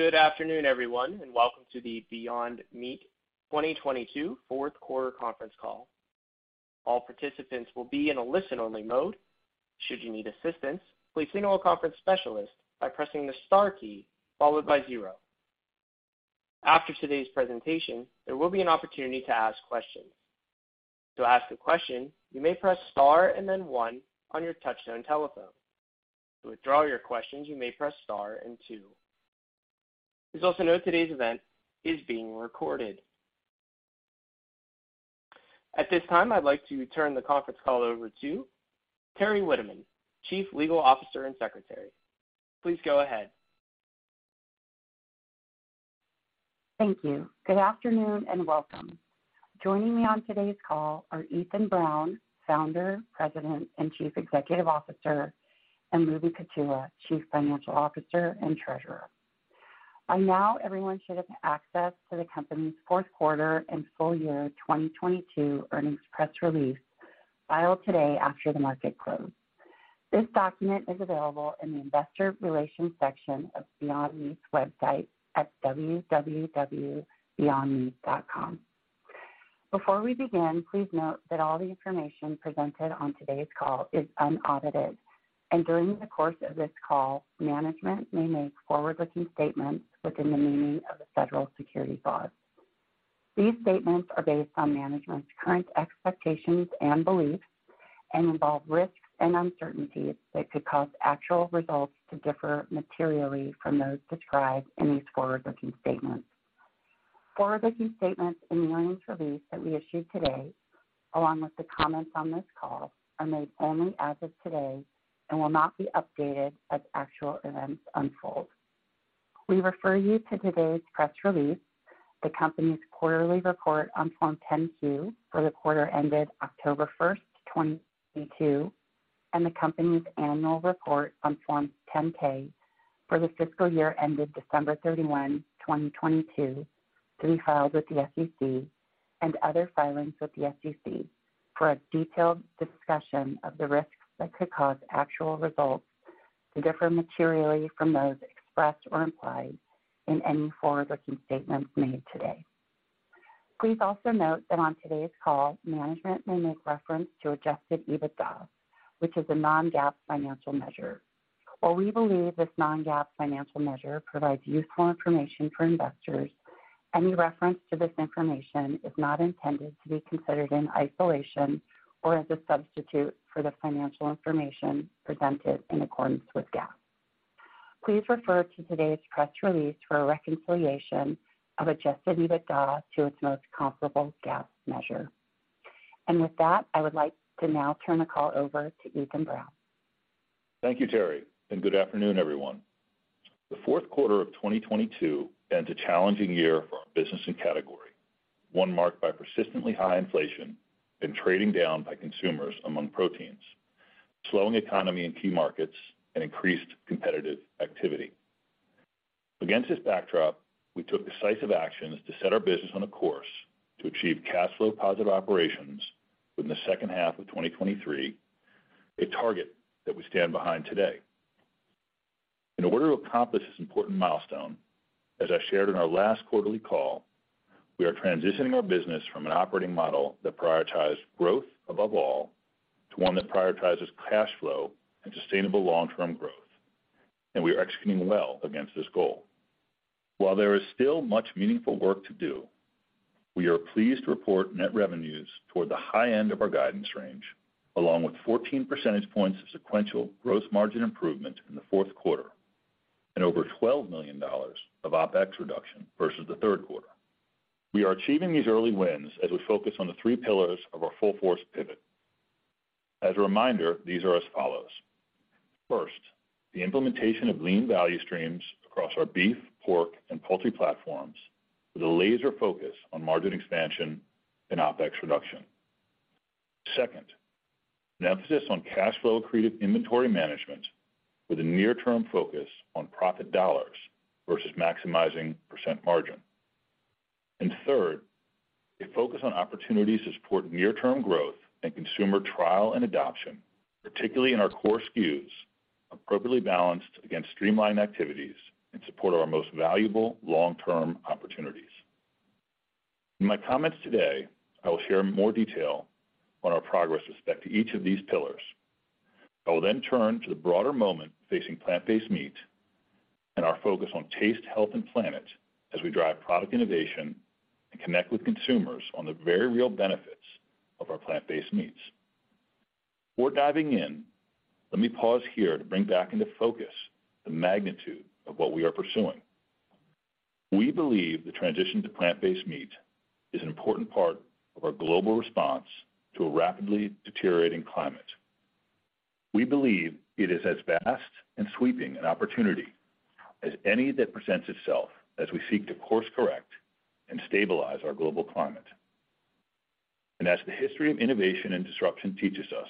Good afternoon, everyone, and welcome to the Beyond Meat 2022 fourth quarter conference call. All participants will be in a listen-only mode. Should you need assistance, please signal a conference specialist by pressing the star key followed by zero. After today's presentation, there will be an opportunity to ask questions. To ask a question, you may press star and then one on your touch-tone telephone. To withdraw your questions, you may press star and two. Please also note today's event is being recorded. At this time, I'd like to turn the conference call over to Teri Witteman, Chief Legal Officer and Corporate Secretary. Please go ahead. Thank you. Good afternoon and welcome. Joining me on today's call are Ethan Brown, Founder, President, and Chief Executive Officer, and Lubi Kutua, Chief Financial Officer and Treasurer. Now everyone should have access to the company's fourth quarter and full year 2022 earnings press release filed today after the market closed. This document is available in the investor relations section of Beyond Meat's website at www.beyondmeat.com. Before we begin, please note that all the information presented on today's call is unaudited. During the course of this call, management may make forward-looking statements within the meaning of the federal securities laws. These statements are based on management's current expectations and beliefs and involve risks and uncertainties that could cause actual results to differ materially from those described in these forward-looking statements. Forward-looking statements in the earnings release that we issued today, along with the comments on this call, are made only as of today and will not be updated as actual events unfold. We refer you to today's press release, the company's quarterly report on Form 10-Q for the quarter ended October 1, 2022, and the company's annual report on Form 10-K for the fiscal year ended December 31, 2022, to be filed with the SEC and other filings with the SEC for a detailed discussion of the risks that could cause actual results to differ materially from those expressed or implied in any forward-looking statements made today. Please also note that on today's call, management may make reference to adjusted EBITDA, which is a non-GAAP financial measure. While we believe this non-GAAP financial measure provides useful information for investors, any reference to this information is not intended to be considered in isolation or as a substitute for the financial information presented in accordance with GAAP. Please refer to today's press release for a reconciliation of adjusted EBITDA to its most comparable GAAP measure. With that, I would like to now turn the call over to Ethan Brown. Thank you, Teri, good afternoon, everyone. The fourth quarter of 2022 ends a challenging year for our business and category, one marked by persistently high inflation and trading down by consumers among proteins, slowing economy in key markets, and increased competitive activity. Against this backdrop, we took decisive actions to set our business on a course to achieve cash flow positive operations within the second half of 2023, a target that we stand behind today. In order to accomplish this important milestone, as I shared in our last quarterly call, we are transitioning our business from an operating model that prioritized growth above all to one that prioritizes cash flow and sustainable long-term growth, and we are executing well against this goal. While there is still much meaningful work to do, we are pleased to report net revenues toward the high end of our guidance range, along with 14 percentage points of sequential gross margin improvement in the fourth quarter and over $12 million of OpEx reduction versus the third quarter. We are achieving these early wins as we focus on the three pillars of our full force pivot. As a reminder, these are as follows. First, the implementation of lean value streams across our beef, pork, and poultry platforms with a laser focus on margin expansion and OpEx reduction. Second, an emphasis on cash flow accretive inventory management with a near-term focus on profit dollars versus maximizing percent margin. Third, a focus on opportunities to support near-term growth and consumer trial and adoption, particularly in our core SKUs, appropriately balanced against streamlined activities in support of our most valuable long-term opportunities. In my comments today, I will share more detail on our progress with respect to each of these pillars. I will turn to the broader moment facing plant-based meat and our focus on taste, health, and planet as we drive product innovation and connect with consumers on the very real benefits of our plant-based meats. Before diving in, let me pause here to bring back into focus the magnitude of what we are pursuing. We believe the transition to plant-based meat is an important part of our global response to a rapidly deteriorating climate. We believe it is as vast and sweeping an opportunity as any that presents itself as we seek to course correct and stabilize our global climate. As the history of innovation and disruption teaches us,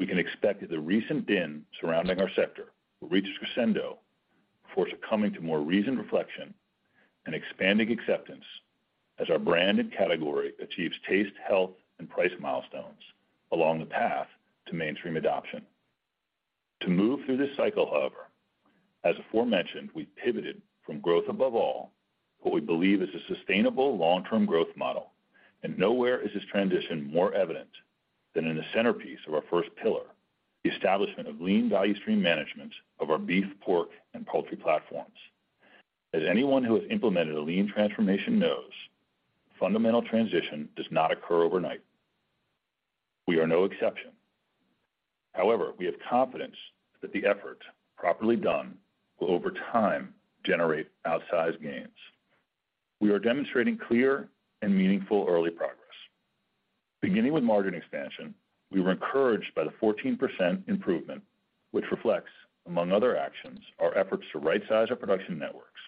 we can expect that the recent din surrounding our sector will reach its crescendo before succumbing to more reasoned reflection, and expanding acceptance as our brand and category achieves taste, health and price milestones along the path to mainstream adoption. To move through this cycle however, as aforementioned, we pivoted from growth above all, what we believe is a sustainable long-term growth model. Nowhere is this transition more evident than in the centerpiece of our first pillar, the establishment of lean value stream management of our beef, pork and poultry platforms. As anyone who has implemented a lean transformation knows, fundamental transition does not occur overnight. We are no exception. We have confidence that the effort properly done, will over time generate outsized gains. We are demonstrating clear and meaningful early progress. Beginning with margin expansion, we were encouraged by the 14 percentage points improvement, which reflects, among other actions, our efforts to right-size our production networks,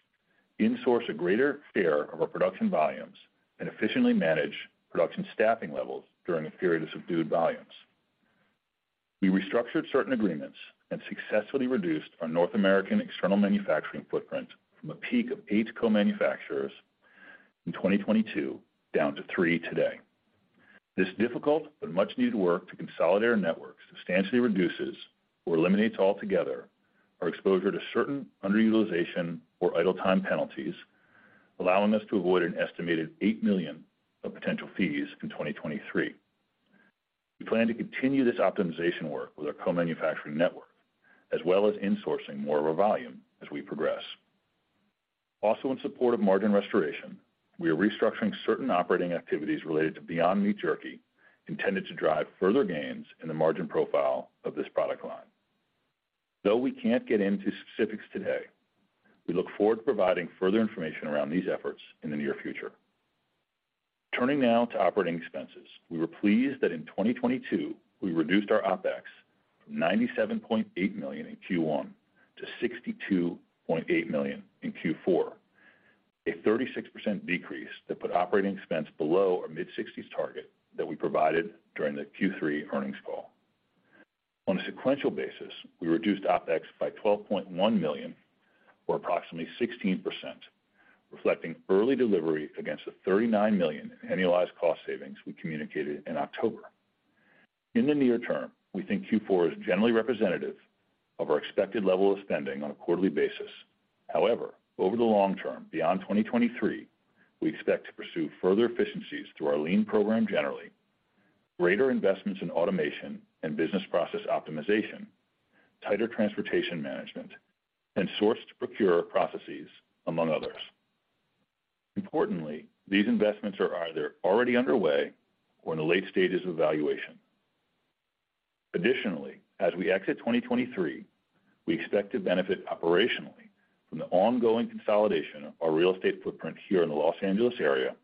insource a greater share of our production volumes, and efficiently manage production staffing levels during a period of subdued volumes. We restructured certain agreements and successfully reduced our North American external manufacturing footprint from a peak of eight co-manufacturers in 2022 down to three today. This difficult but much-needed work to consolidate our network substantially reduces or eliminates altogether our exposure to certain underutilization or idle time penalties, allowing us to avoid an estimated $8 million of potential fees in 2023. We plan to continue this optimization work with our co-manufacturing network, as well as insourcing more of our volume as we progress. In support of margin restoration, we are restructuring certain operating activities related to Beyond Meat Jerky, intended to drive further gains in the margin profile of this product line. Though we can't get into specifics today, we look forward to providing further information around these efforts in the near future. Turning now to operating expenses. We were pleased that in 2022 we reduced our OpEx from $97.8 million in Q1 to $62.8 million in Q4, a 36% decrease that put operating expense below our mid-$60s target that we provided during the Q3 earnings call. On a sequential basis, we reduced OpEx by $12.1 million or approximately 16%, reflecting early delivery against the $39 million in annualized cost savings we communicated in October. In the near term, we think Q4 is generally representative of our expected level of spending on a quarterly basis. Over the long term, beyond 2023, we expect to pursue further efficiencies through our lean program generally, greater investments in automation and business process optimization, tighter transportation management, and source-to-procure processes, among others. Importantly, these investments are either already underway or in the late stages of evaluation. Additionally, as we exit 2023, we expect to benefit operationally from the ongoing consolidation of our real estate footprint here in the Los Angeles area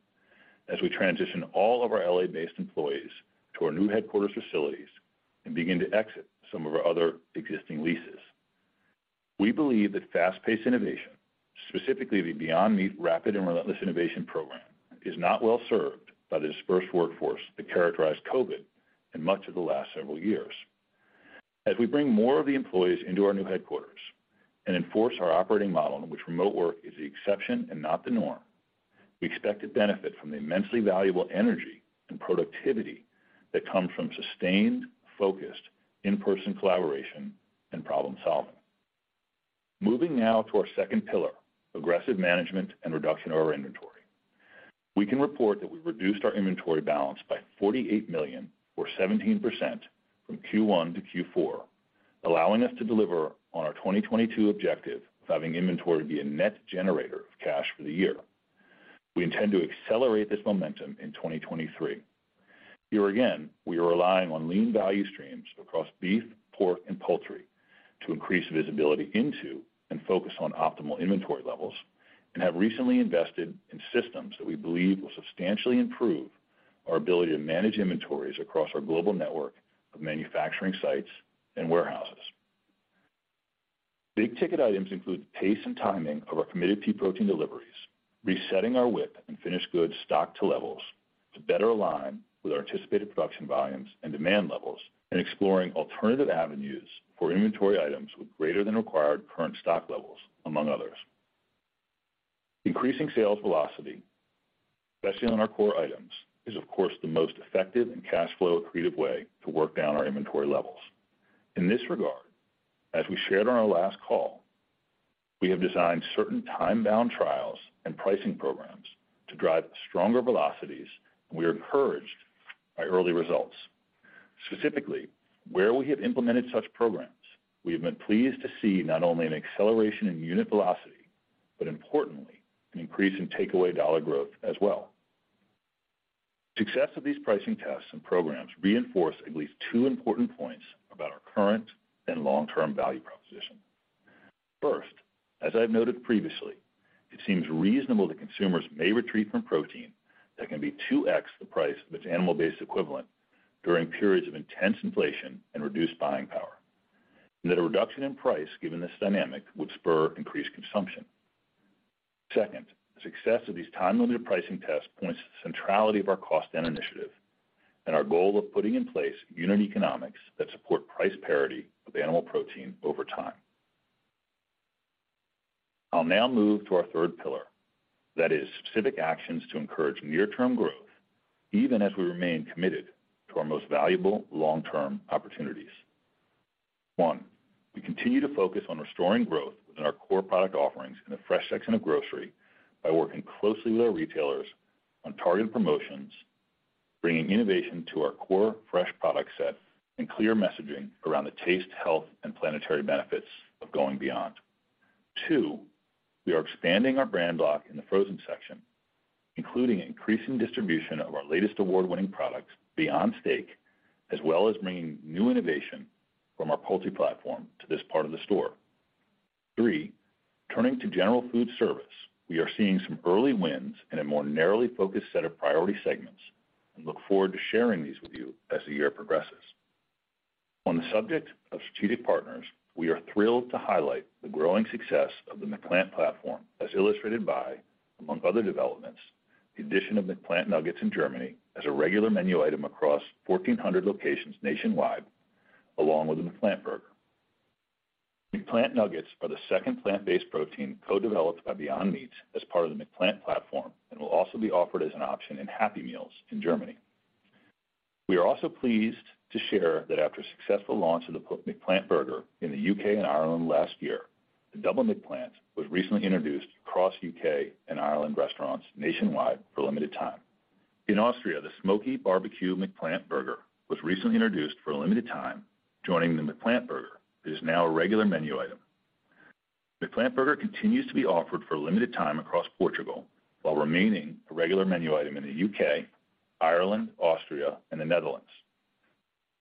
as we transition all of our L.A.-based employees to our new headquarters facilities and begin to exit some of our other existing leases. We believe that fast-paced innovation, specifically the Beyond Meat Rapid and Relentless Innovation program, is not well served by the dispersed workforce that characterized COVID in much of the last several years. As we bring more of the employees into our new headquarters and enforce our operating model in which remote work is the exception and not the norm, we expect to benefit from the immensely valuable energy and productivity that come from sustained, focused, in-person collaboration and problem-solving. Moving now to our second pillar, aggressive management and reduction of our inventory. We can report that we've reduced our inventory balance by $48 million or 17% from Q1 to Q4, allowing us to deliver on our 2022 objective of having inventory be a net generator of cash for the year. We intend to accelerate this momentum in 2023. Here again, we are relying on lean value streams across beef, pork and poultry to increase visibility into and focus on optimal inventory levels and have recently invested in systems that we believe will substantially improve our ability to manage inventories across our global network of manufacturing sites and warehouses. Big-ticket items include the pace and timing of our committed pea protein deliveries, resetting our WIP and finished goods stock to levels to better align with our anticipated production volumes and demand levels, and exploring alternative avenues for inventory items with greater than required current stock levels, among others. Increasing sales velocity, especially on our core items, is of course, the most effective and cash flow accretive way to work down our inventory levels. In this regard, as we shared on our last call, we have designed certain time-bound trials and pricing programs to drive stronger velocities, and we are encouraged by early results. Specifically, where we have implemented such programs, we have been pleased to see not only an acceleration in unit velocity, but importantly an increase in takeaway dollar growth as well. Success of these pricing tests and programs reinforce at least two important points about our current and long-term value proposition. First, as I've noted previously, it seems reasonable that consumers may retreat from protein that can be 2x the price of its animal-based equivalent during periods of intense inflation and reduced buying power, and that a reduction in price given this dynamic, would spur increased consumption. Second, the success of these time-limited pricing tests points to the centrality of our cost down initiative. Our goal of putting in place unit economics that support price parity with animal protein over time. I'll now move to our third pillar, that is specific actions to encourage near-term growth even as we remain committed to our most valuable long-term opportunities. One, we continue to focus on restoring growth within our core product offerings in the fresh section of grocery by working closely with our retailers on targeted promotions, bringing innovation to our core fresh product set, and clear messaging around the taste, health, and planetary benefits of going beyond. Two, we are expanding our brand block in the frozen section, including increasing distribution of our latest award-winning products, Beyond Steak, as well as bringing new innovation from our poultry platform to this part of the store. Three, turning to general food service, we are seeing some early wins in a more narrowly focused set of priority segments and look forward to sharing these with you as the year progresses. On the subject of strategic partners, we are thrilled to highlight the growing success of the McPlant platform as illustrated by, among other developments, the addition of McPlant Nuggets in Germany as a regular menu item across 1,400 locations nationwide, along with the McPlant Burger. McPlant Nuggets are the second plant-based protein co-developed by Beyond Meat as part of the McPlant platform and will also be offered as an option in Happy Meals in Germany. We are also pleased to share that after successful launch of the McPlant Burger in the U.K. and Ireland last year, the Double McPlant was recently introduced across U.K. and Ireland restaurants nationwide for a limited time. In Austria, the smoky barbecue McPlant Burger was recently introduced for a limited time, joining the McPlant Burger that is now a regular menu item. McPlant Burger continues to be offered for a limited time across Portugal while remaining a regular menu item in the U.K., Ireland, Austria, and the Netherlands.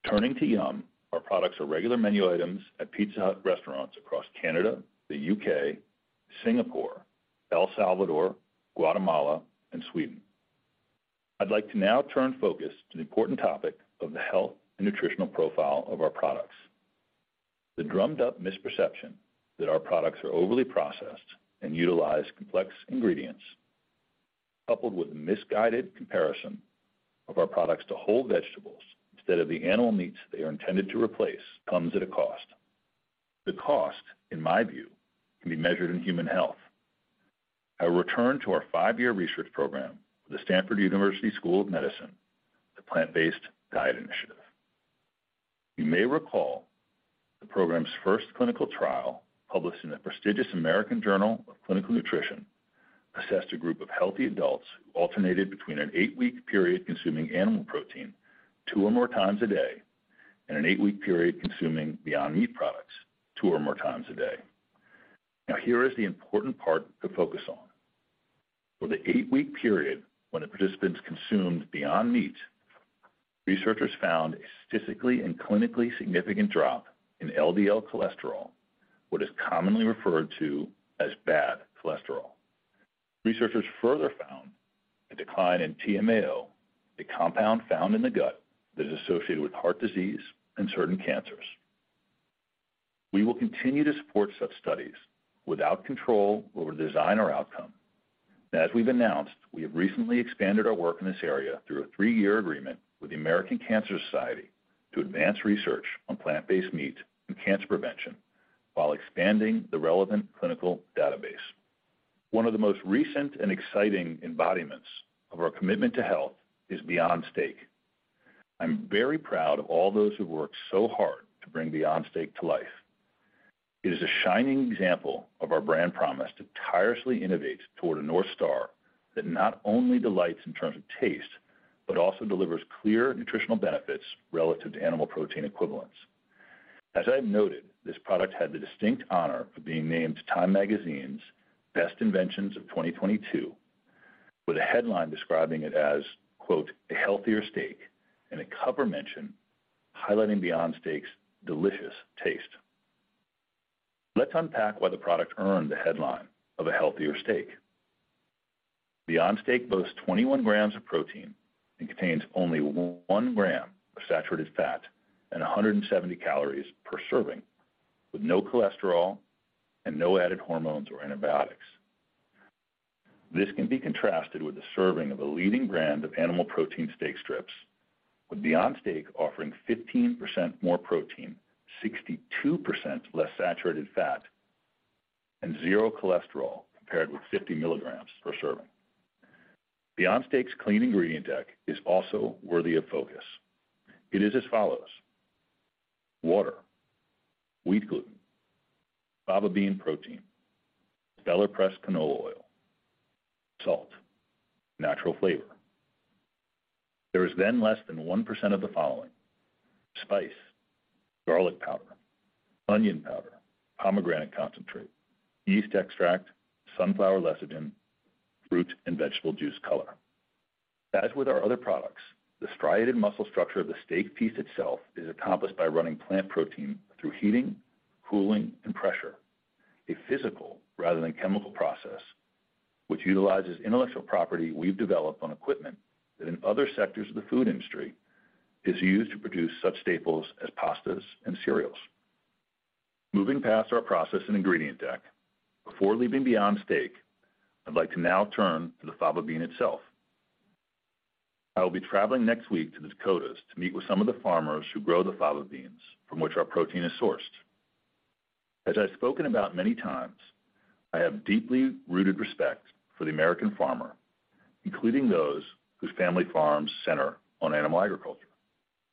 Turning to Yum!, our products are regular menu items at Pizza Hut restaurants across Canada, the U.K., Singapore, El Salvador, Guatemala, and Sweden. I'd like to now turn focus to the important topic of the health and nutritional profile of our products. The drummed up misperception that our products are overly processed and utilize complex ingredients, coupled with misguided comparison of our products to whole vegetables instead of the animal meats they are intended to replace, comes at a cost. The cost, in my view, can be measured in human health. I return to our five-year research program with the Stanford University School of Medicine, the Plant-Based Diet Initiative. You may recall the program's first clinical trial, published in the prestigious The American Journal of Clinical Nutrition, assessed a group of healthy adults who alternated between an eight-week period consuming animal protein two or more times a day and an eight-week period consuming Beyond Meat products two or more times a day. Now, here is the important part to focus on. For the eight-week period when the participants consumed Beyond Meat, researchers found a statistically and clinically significant drop in LDL cholesterol, what is commonly referred to as bad cholesterol. Researchers further found a decline in TMAO, the compound found in the gut that is associated with heart disease and certain cancers. We will continue to support such studies without control over design or outcome. As we've announced, we have recently expanded our work in this area through a three-year agreement with the American Cancer Society to advance research on plant-based meat and cancer prevention while expanding the relevant clinical database. One of the most recent and exciting embodiments of our commitment to health is Beyond Steak. I'm very proud of all those who worked so hard to bring Beyond Steak to life. It is a shining example of our brand promise to tirelessly innovate toward a North Star that not only delights in terms of taste, but also delivers clear nutritional benefits relative to animal protein equivalents. As I have noted, this product had the distinct honor of being named TIME magazine's Best Inventions of 2022, with a headline describing it as, quote, "A healthier steak," and a cover mention highlighting Beyond Steak's delicious taste. Let's unpack why the product earned the headline of a healthier steak. Beyond Steak boasts 21 grams of protein and contains only 1 gram of saturated fat and 170 calories per serving, with no cholesterol and no added hormones or antibiotics. This can be contrasted with a serving of a leading brand of animal protein steak strips, with Beyond Steak offering 15% more protein, 62% less saturated fat, and zero cholesterol, compared with 50 milligrams per serving. Beyond Steak's clean ingredient deck is also worthy of focus. It is as follows: water, wheat gluten, fava bean protein, expeller pressed canola oil, salt, natural flavor. There is less than 1% of the following: spice, garlic powder, onion powder, pomegranate concentrate, yeast extract, sunflower lecithin, fruit and vegetable juice color. As with our other products, the striated muscle structure of the steak piece itself is accomplished by running plant protein through heating, cooling, and pressure, a physical rather than chemical process, which utilizes intellectual property we've developed on equipment that in other sectors of the food industry is used to produce such staples as pastas and cereals. Moving past our process and ingredient deck, before leaving Beyond Steak, I'd like to now turn to the fava bean itself. I will be traveling next week to the Dakotas to meet with some of the farmers who grow the fava beans from which our protein is sourced. As I've spoken about many times, I have deeply rooted respect for the American farmer, including those whose family farms center on animal agriculture.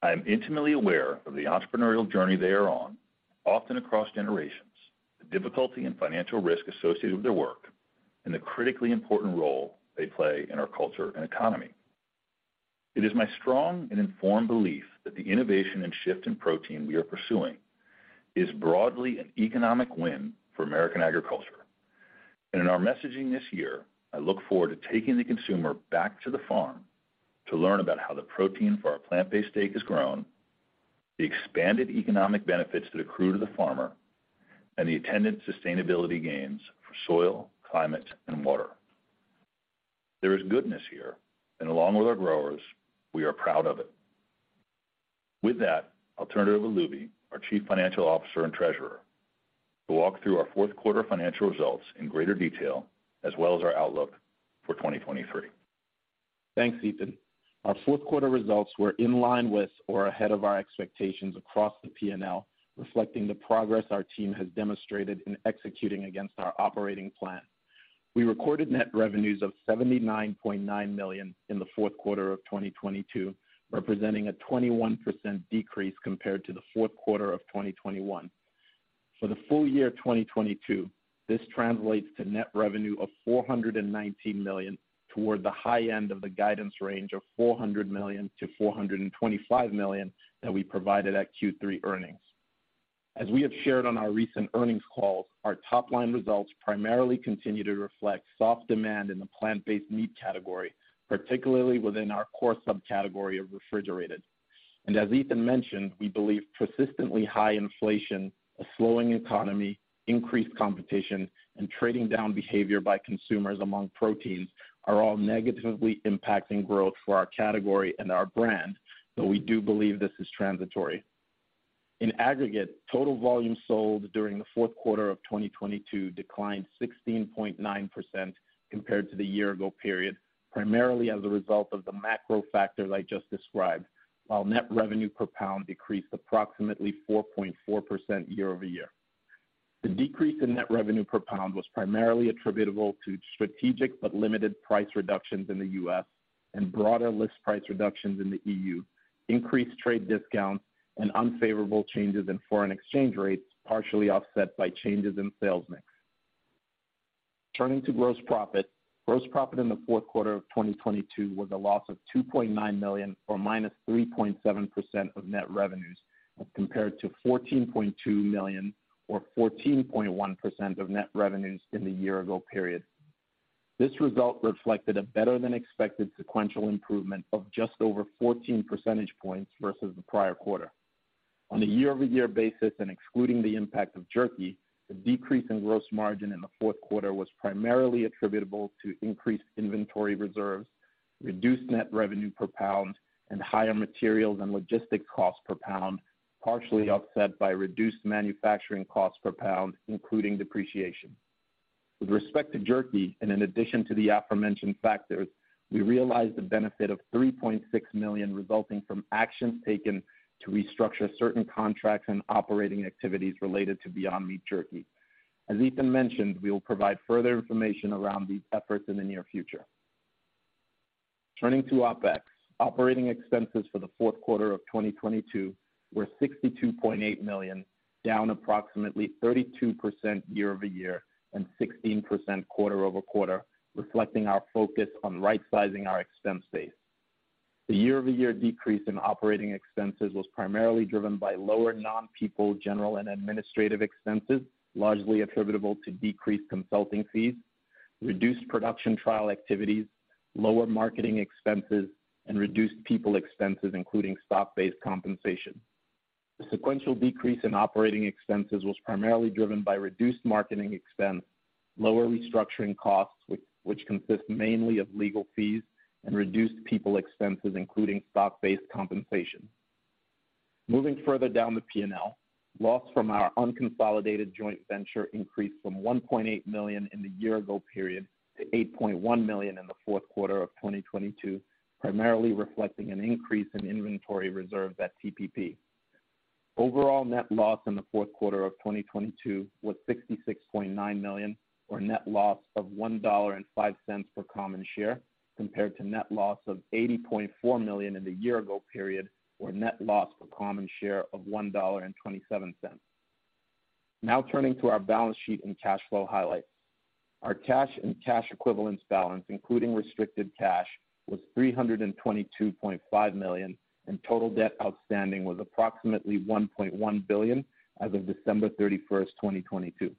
I am intimately aware of the entrepreneurial journey they are on, often across generations, the difficulty and financial risk associated with their work, and the critically important role they play in our culture and economy. It is my strong and informed belief that the innovation and shift in protein we are pursuing is broadly an economic win for American agriculture. In our messaging this year, I look forward to taking the consumer back to the farm to learn about how the protein for our plant-based steak has grown, the expanded economic benefits that accrue to the farmer, and the attendant sustainability gains for soil, climate, and water. There is goodness here, and along with our growers, we are proud of it. With that, I'll turn it over to Lubi, our Chief Financial Officer and Treasurer, to walk through our fourth quarter financial results in greater detail, as well as our outlook for 2023. Thanks, Ethan. Our fourth quarter results were in line with or ahead of our expectations across the P&L, reflecting the progress our team has demonstrated in executing against our operating plan. We recorded net revenues of $79.9 million in the fourth quarter of 2022, representing a 21% decrease compared to the fourth quarter of 2021. For the full year 2022, this translates to net revenue of $419 million toward the high end of the guidance range of $400 million-$425 million that we provided at Q3 earnings. As we have shared on our recent earnings calls, our top-line results primarily continue to reflect soft demand in the plant-based meat category, particularly within our core subcategory of refrigerated. As Ethan mentioned, we believe persistently high inflation, a slowing economy, increased competition, and trading down behavior by consumers among proteins are all negatively impacting growth for our category and our brand. We do believe this is transitory. In aggregate, total volume sold during the fourth quarter of 2022 declined 16.9% compared to the year-ago period, primarily as a result of the macro factors I just described, while net revenue per pound decreased approximately 4.4% year-over-year. The decrease in net revenue per pound was primarily attributable to strategic but limited price reductions in the U.S. and broader list price reductions in the EU, increased trade discounts, and unfavorable changes in foreign exchange rates, partially offset by changes in sales mix. Turning to gross profit, gross profit in the fourth quarter of 2022 was a loss of $2.9 million, or minus 3.7% of net revenues as compared to $14.2 million, or 14.1% of net revenues in the year ago period. This result reflected a better than expected sequential improvement of just over 14 percentage points versus the prior quarter. On a year-over-year basis and excluding the impact of Jerky, the decrease in gross margin in the fourth quarter was primarily attributable to increased inventory reserves, reduced net revenue per pound, and higher materials and logistics costs per pound, partially offset by reduced manufacturing costs per pound, including depreciation. With respect to Jerky, in addition to the aforementioned factors, we realized the benefit of $3.6 million resulting from actions taken to restructure certain contracts and operating activities related to Beyond Meat Jerky. As Ethan mentioned, we will provide further information around these efforts in the near future. Turning to OpEx, operating expenses for the fourth quarter of 2022 were $62.8 million, down approximately 32% year-over-year and 16% quarter-over-quarter, reflecting our focus on right sizing our expense base. The year-over-year decrease in operating expenses was primarily driven by lower non-people general and administrative expenses, largely attributable to decreased consulting fees, reduced production trial activities, lower marketing expenses, and reduced people expenses, including stock-based compensation. The sequential decrease in operating expenses was primarily driven by reduced marketing expense, lower restructuring costs, which consist mainly of legal fees, and reduced people expenses, including stock-based compensation. Moving further down the P&L, loss from our unconsolidated joint venture increased from $1.8 million in the year-ago period to $8.1 million in the fourth quarter of 2022, primarily reflecting an increase in inventory reserves at TPP. Overall net loss in the fourth quarter of 2022 was $66.9 million, or net loss of $1.05 per common share, compared to net loss of $80.4 million in the year-ago period, or net loss per common share of $1.27. Turning to our balance sheet and cash flow highlights. Our cash and cash equivalents balance, including restricted cash, was $322.5 million, and total debt outstanding was approximately $1.1 billion as of December 31, 2022.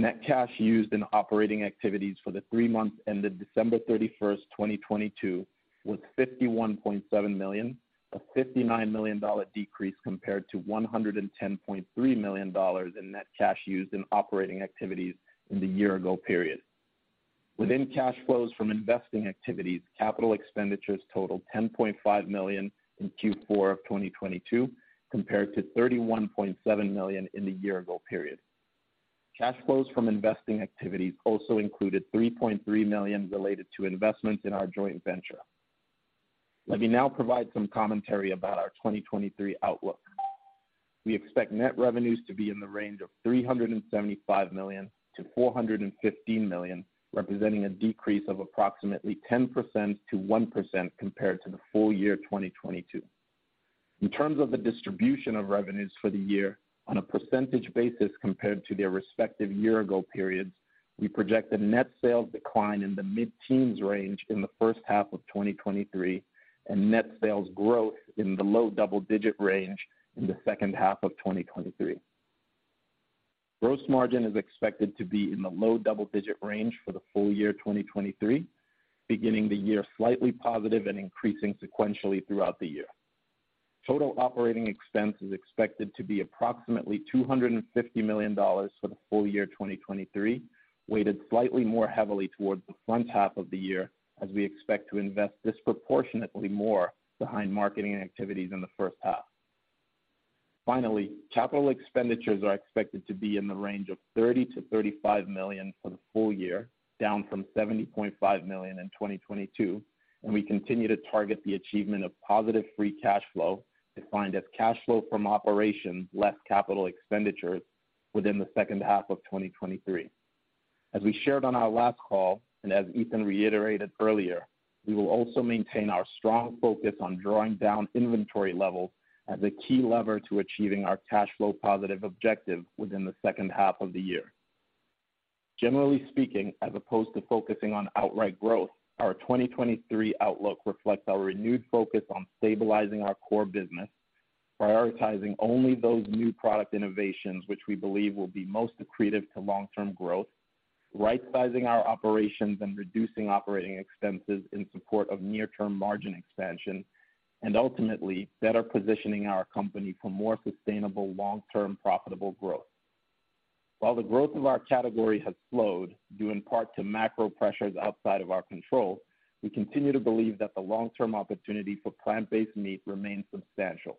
Net cash used in operating activities for the three months ended December 31, 2022 was $51.7 million, a $59 million decrease compared to $110.3 million in net cash used in operating activities in the year ago period. Within cash flows from investing activities, capital expenditures totaled $10.5 million in Q4 of 2022, compared to $31.7 million in the year ago period. Cash flows from investing activities also included $3.3 million related to investments in our joint venture. Let me now provide some commentary about our 2023 outlook. We expect net revenues to be in the range of $375 million-$415 million, representing a decrease of approximately 10% to 1% compared to the full year 2022. In terms of the distribution of revenues for the year on a percentage basis compared to their respective year ago periods, we project a net sales decline in the mid-teens range in the first half of 2023 and net sales growth in the low double-digit range in the second half of 2023. Gross margin is expected to be in the low double-digit range for the full year 2023, beginning the year slightly positive and increasing sequentially throughout the year. Total operating expense is expected to be approximately $250 million for the full year 2023, weighted slightly more heavily towards the front half of the year as we expect to invest disproportionately more behind marketing activities in the first half. Finally, capital expenditures are expected to be in the range of $30 million-$35 million for the full year, down from $70.5 million in 2022. We continue to target the achievement of positive free cash flow, defined as cash flow from operations less capital expenditures within the second half of 2023. As we shared on our last call, and as Ethan reiterated earlier, we will also maintain our strong focus on drawing down inventory levels as a key lever to achieving our cash flow positive objective within the second half of the year. Generally speaking, as opposed to focusing on outright growth, our 2023 outlook reflects our renewed focus on stabilizing our core business, prioritizing only those new product innovations which we believe will be most accretive to long-term growth, rightsizing our operations and reducing OpEx in support of near-term margin expansion and ultimately better positioning our company for more sustainable long-term profitable growth. While the growth of our category has slowed due in part to macro pressures outside of our control, we continue to believe that the long-term opportunity for plant-based meat remains substantial.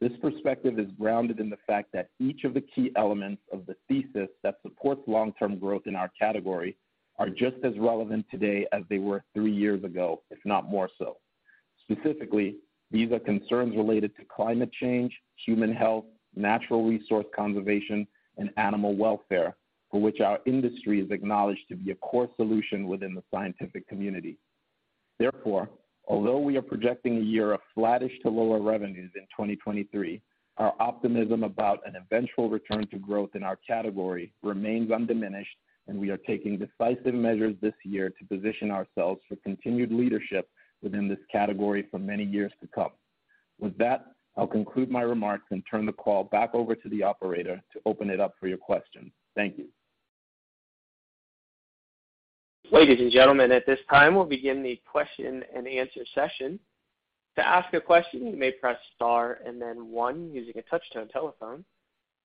This perspective is grounded in the fact that each of the key elements of the thesis that supports long-term growth in our category are just as relevant today as they were 3 years ago, if not more so. Specifically, these are concerns related to climate change, human health, natural resource conservation, and animal welfare, for which our industry is acknowledged to be a core solution within the scientific community. Although we are projecting a year of flattish to lower revenues in 2023, our optimism about an eventual return to growth in our category remains undiminished, and we are taking decisive measures this year to position ourselves for continued leadership within this category for many years to come. With that, I'll conclude my remarks and turn the call back over to the operator to open it up for your questions. Thank you. Ladies and gentlemen, at this time, we'll begin the question and answer session. To ask a question, you may press star and then one using a touch-tone telephone.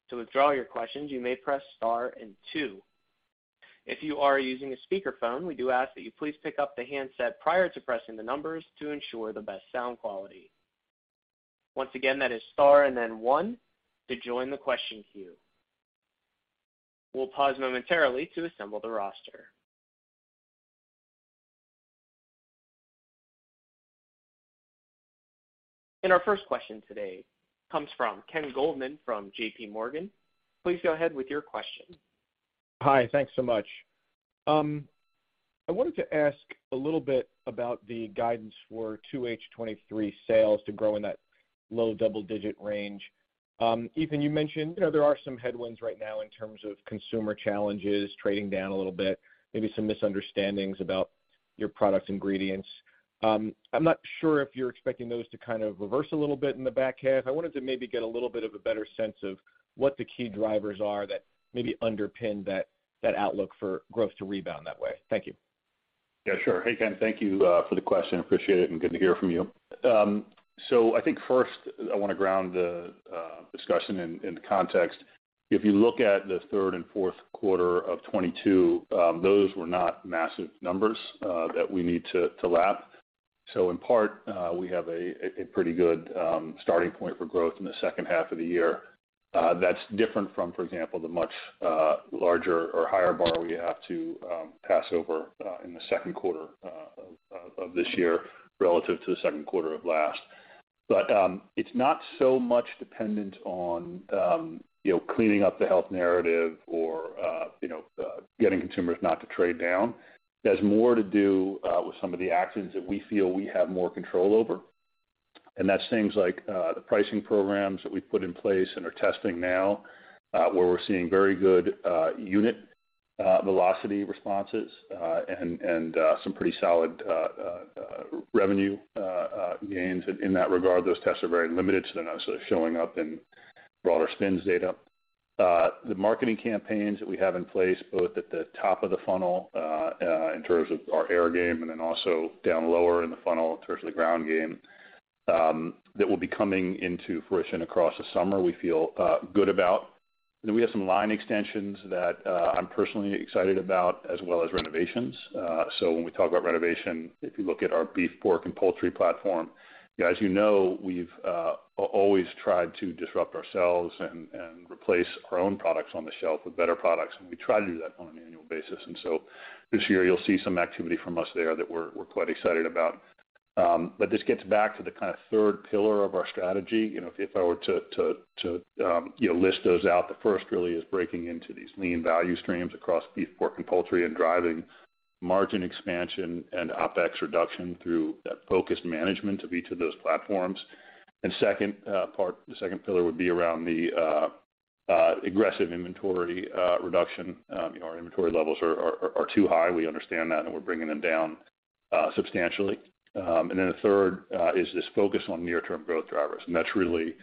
To withdraw your questions, you may press star and two. If you are using a speakerphone, we do ask that you please pick up the handset prior to pressing the numbers to ensure the best sound quality. Once again, that is star and then one to join the question queue. We'll pause momentarily to assemble the roster. Our first question today comes from Ken Goldman from J.P. Morgan. Please go ahead with your question. Hi. Thanks so much. I wanted to ask a little bit about the guidance for 2H 2023 sales to grow in that low double-digit range. Ethan, you mentioned, you know, there are some headwinds right now in terms of consumer challenges trading down a little bit, maybe some misunderstandings about your product ingredients. I'm not sure if you're expecting those to kind of reverse a little bit in the back half. I wanted to maybe get a little bit of a better sense of what the key drivers are that maybe underpin that outlook for growth to rebound that way. Thank you. Yeah, sure. Hey, Ken, thank you for the question. Appreciate it and good to hear from you. I think first I want to ground the discussion in context. If you look at the third and fourth quarter of 2022, those were not massive numbers that we need to lap. In part, we have a pretty good starting point for growth in the second half of the year. That's different from, for example, the much larger or higher bar we have to pass over in the second quarter of this year relative to the second quarter of last. It's not so much dependent on, you know, cleaning up the health narrative or, you know, getting consumers not to trade down. It has more to do with some of the actions that we feel we have more control over. That's things like the pricing programs that we've put in place and are testing now, where we're seeing very good unit velocity responses, and some pretty solid revenue gains in that regard. Those tests are very limited, so they're not showing up in broader spins data. The marketing campaigns that we have in place, both at the top of the funnel, in terms of our air game and then also down lower in the funnel in terms of the ground game, that will be coming into fruition across the summer. We feel good about We have some line extensions that I'm personally excited about as well as renovations. When we talk about renovation, if you look at our beef, pork, and poultry platform, you know, as you know, we've always tried to disrupt ourselves and replace our own products on the shelf with better products, we try to do that on an annual basis. This year you'll see some activity from us there that we're quite excited about. This gets back to the kind of third pillar of our strategy. You know, if I were to, you know, list those out, the first really is breaking into these lean value streams across beef, pork, and poultry and driving margin expansion and OpEx reduction through that focused management of each of those platforms. Second, the second pillar would be around the aggressive inventory reduction. You know, our inventory levels are too high. We understand that. We're bringing them down substantially. The third is this focus on near-term growth drivers. That's really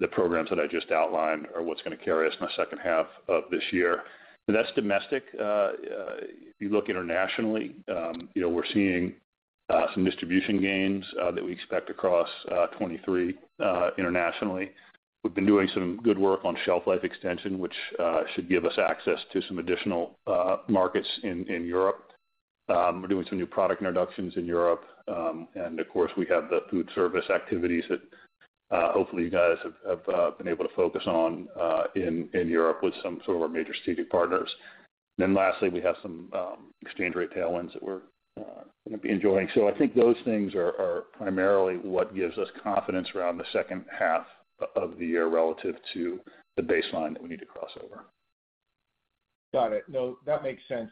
the programs that I just outlined are what's gonna carry us in the second half of this year. That's domestic. If you look internationally, you know, we're seeing some distribution gains that we expect across 23 internationally. We've been doing some good work on shelf life extension, which should give us access to some additional markets in Europe. We're doing some new product introductions in Europe. Of course, we have the food service activities that, hopefully you guys have been able to focus on, in Europe with some sort of our major CD partners. Lastly, we have some exchange rate tailwinds that we're gonna be enjoying. I think those things are primarily what gives us confidence around the second half of the year relative to the baseline that we need to cross over. Got it. No, that makes sense.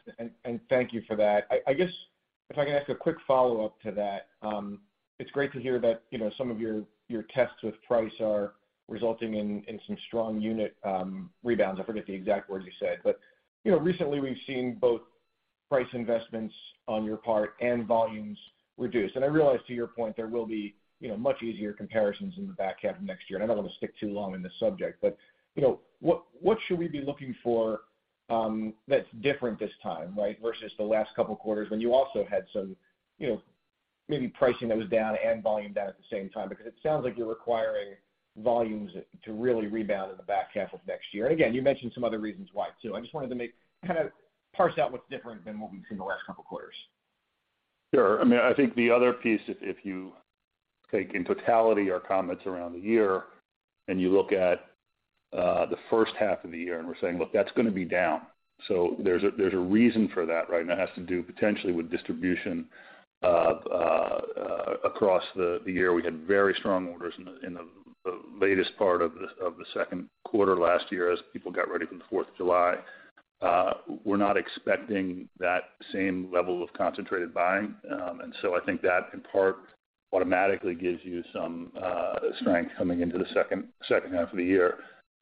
Thank you for that. I guess if I can ask a quick follow-up to that, it's great to hear that, you know, some of your tests with price are resulting in some strong unit rebounds. I forget the exact words you said, but, you know, recently we've seen both price investments on your part and volumes reduce. I realize to your point, there will be, you know, much easier comparisons in the back half of next year. I don't want to stick too long in this subject, but, you know, what should we be looking for, that's different this time, right, versus the last couple of quarters when you also had some, you know, maybe pricing that was down and volume down at the same time? Because it sounds like you're requiring volumes to really rebound in the back half of next year. Again, you mentioned some other reasons why too. I just wanted to kinda parse out what's different than what we've seen the last couple of quarters. Sure. I mean, I think the other piece, if you take in totality our comments around the year and you look at the first half of the year and we're saying, look, that's gonna be down. There's a reason for that, right? That has to do potentially with distribution. Across the year, we had very strong orders in the latest part of the second quarter last year as people got ready for the Fourth of July. We're not expecting that same level of concentrated buying. I think that in part automatically gives you some strength coming into the second half of the year.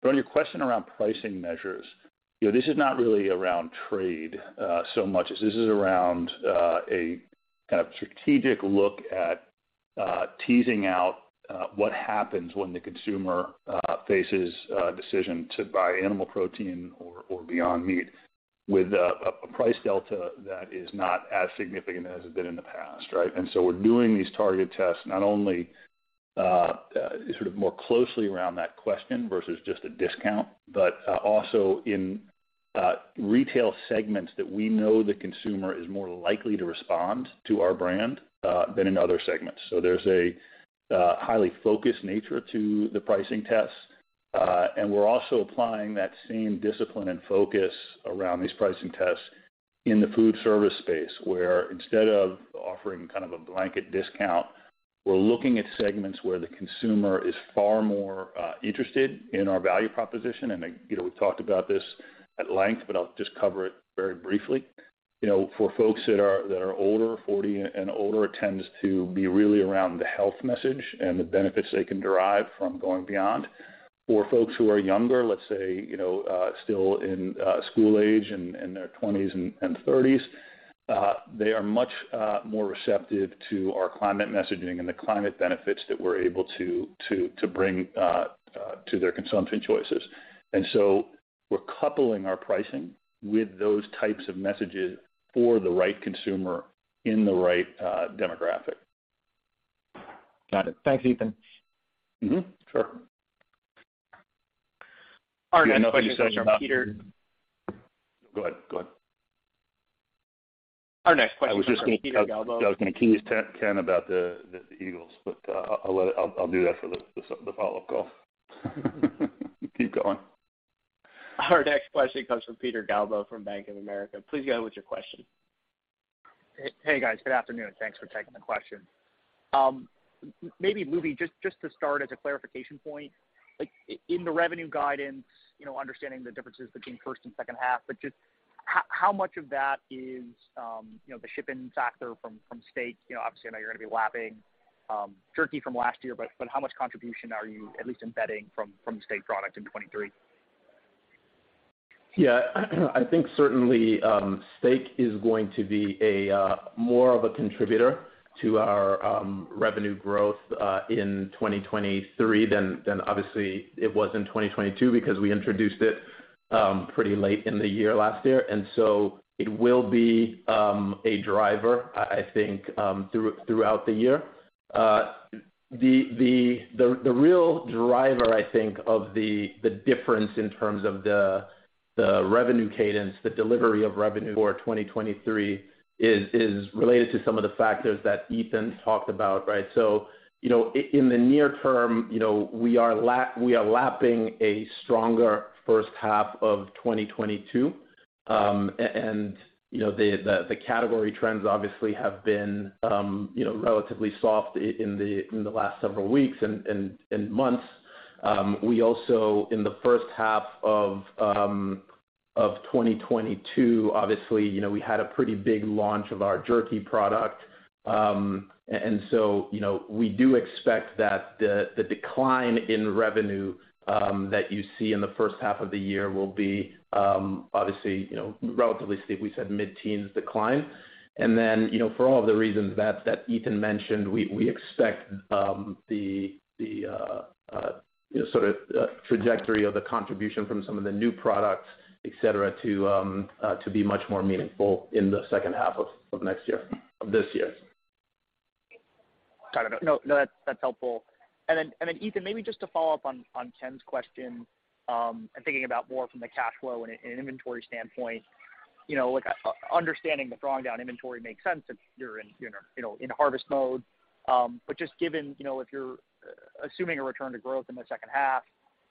On your question around pricing measures, you know, this is not really around trade, so much as this is around a kind of strategic look at teasing out what happens when the consumer faces a decision to buy animal protein or Beyond Meat with a price delta that is not as significant as it's been in the past, right? We're doing these target tests not only sort of more closely around that question versus just a discount, but also in retail segments that we know the consumer is more likely to respond to our brand than in other segments. There's a highly focused nature to the pricing tests. We're also applying that same discipline and focus around these pricing tests in the food service space, where instead of offering kind of a blanket discount, we're looking at segments where the consumer is far more interested in our value proposition. You know, we've talked about this at length, but I'll just cover it very briefly. You know, for folks that are older, 40 and older, it tends to be really around the health message and the benefits they can derive from going beyond. For folks who are younger, let's say, you know, still in school age and in their 20s and 30s, they are much more receptive to our climate messaging and the climate benefits that we're able to bring to their consumption choices. We're coupling our pricing with those types of messages for the right consumer in the right, demographic. Got it. Thanks, Ethan. Sure. Our next question comes from Peter. Go ahead, go ahead. Our next question comes from Peter Galbo. I was gonna tease Ken about the Eagles, but I'll do that for the follow-up call. Keep going. Our next question comes from Peter Galbo from Bank of America. Please go ahead with your question. Hey, guys. Good afternoon. Thanks for taking the question. maybe, Lubi, just to start as a clarification point, like, in the revenue guidance, you know, understanding the differences between first and second half, but just how much of that is, you know, the shipping factor from steak? You know, obviously, I know you're gonna be lapping jerky from last year, but how much contribution are you at least embedding from the steak product in 23? Yeah. I think certainly, Beyond Steak is going to be a more of a contributor to our revenue growth in 2023 than obviously it was in 2022 because we introduced it pretty late in the year last year. It will be a driver, I think, throughout the year. The real driver, I think, of the difference in terms of the revenue cadence, the delivery of revenue for 2023 is related to some of the factors that Ethan talked about, right? You know, in the near term, you know, we are lapping a stronger first half of 2022. And you know, the category trends obviously have been, you know, relatively soft in the last several weeks and months. We also, in the first half of 2022, obviously, you know, we had a pretty big launch of our jerky product. You know, we do expect that the decline in revenue that you see in the first half of the year will be, obviously, you know, relatively steep. We said mid-teens decline. You know, for all the reasons that Ethan mentioned, we expect the sort of trajectory of the contribution from some of the new products, et cetera, to be much more meaningful in the second half of this year. No, that's helpful. Ethan, maybe just to follow up on Ken's question, and thinking about more from the cash flow and an inventory standpoint, you know, like understanding the drawing down inventory makes sense if you're in, you know, in harvest mode. Just given, you know, if you're assuming a return to growth in the second half,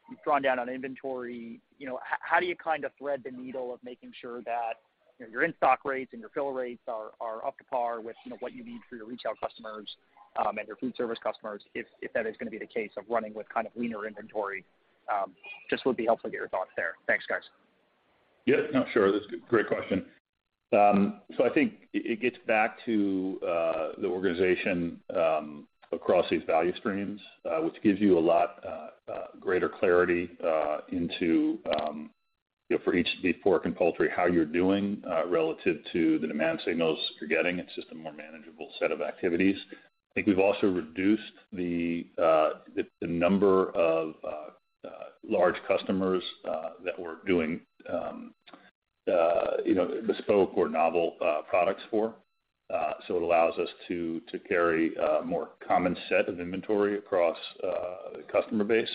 you've drawn down on inventory, you know, how do you kind of thread the needle of making sure that, you know, your in-stock rates and your fill rates are up to par with, you know, what you need for your retail customers, and your food service customers, if that is gonna be the case of running with kind of leaner inventory? Just would be helpful to get your thoughts there. Thanks, guys. Yeah, no, sure. That's a great question. I think it gets back to the organization across these value streams, which gives you a lot greater clarity into, you know, for each the pork and poultry, how you're doing relative to the demand signals you're getting. It's just a more manageable set of activities. I think we've also reduced the number of large customers that we're doing, you know, bespoke or novel products for. It allows us to carry a more common set of inventory across the customer base.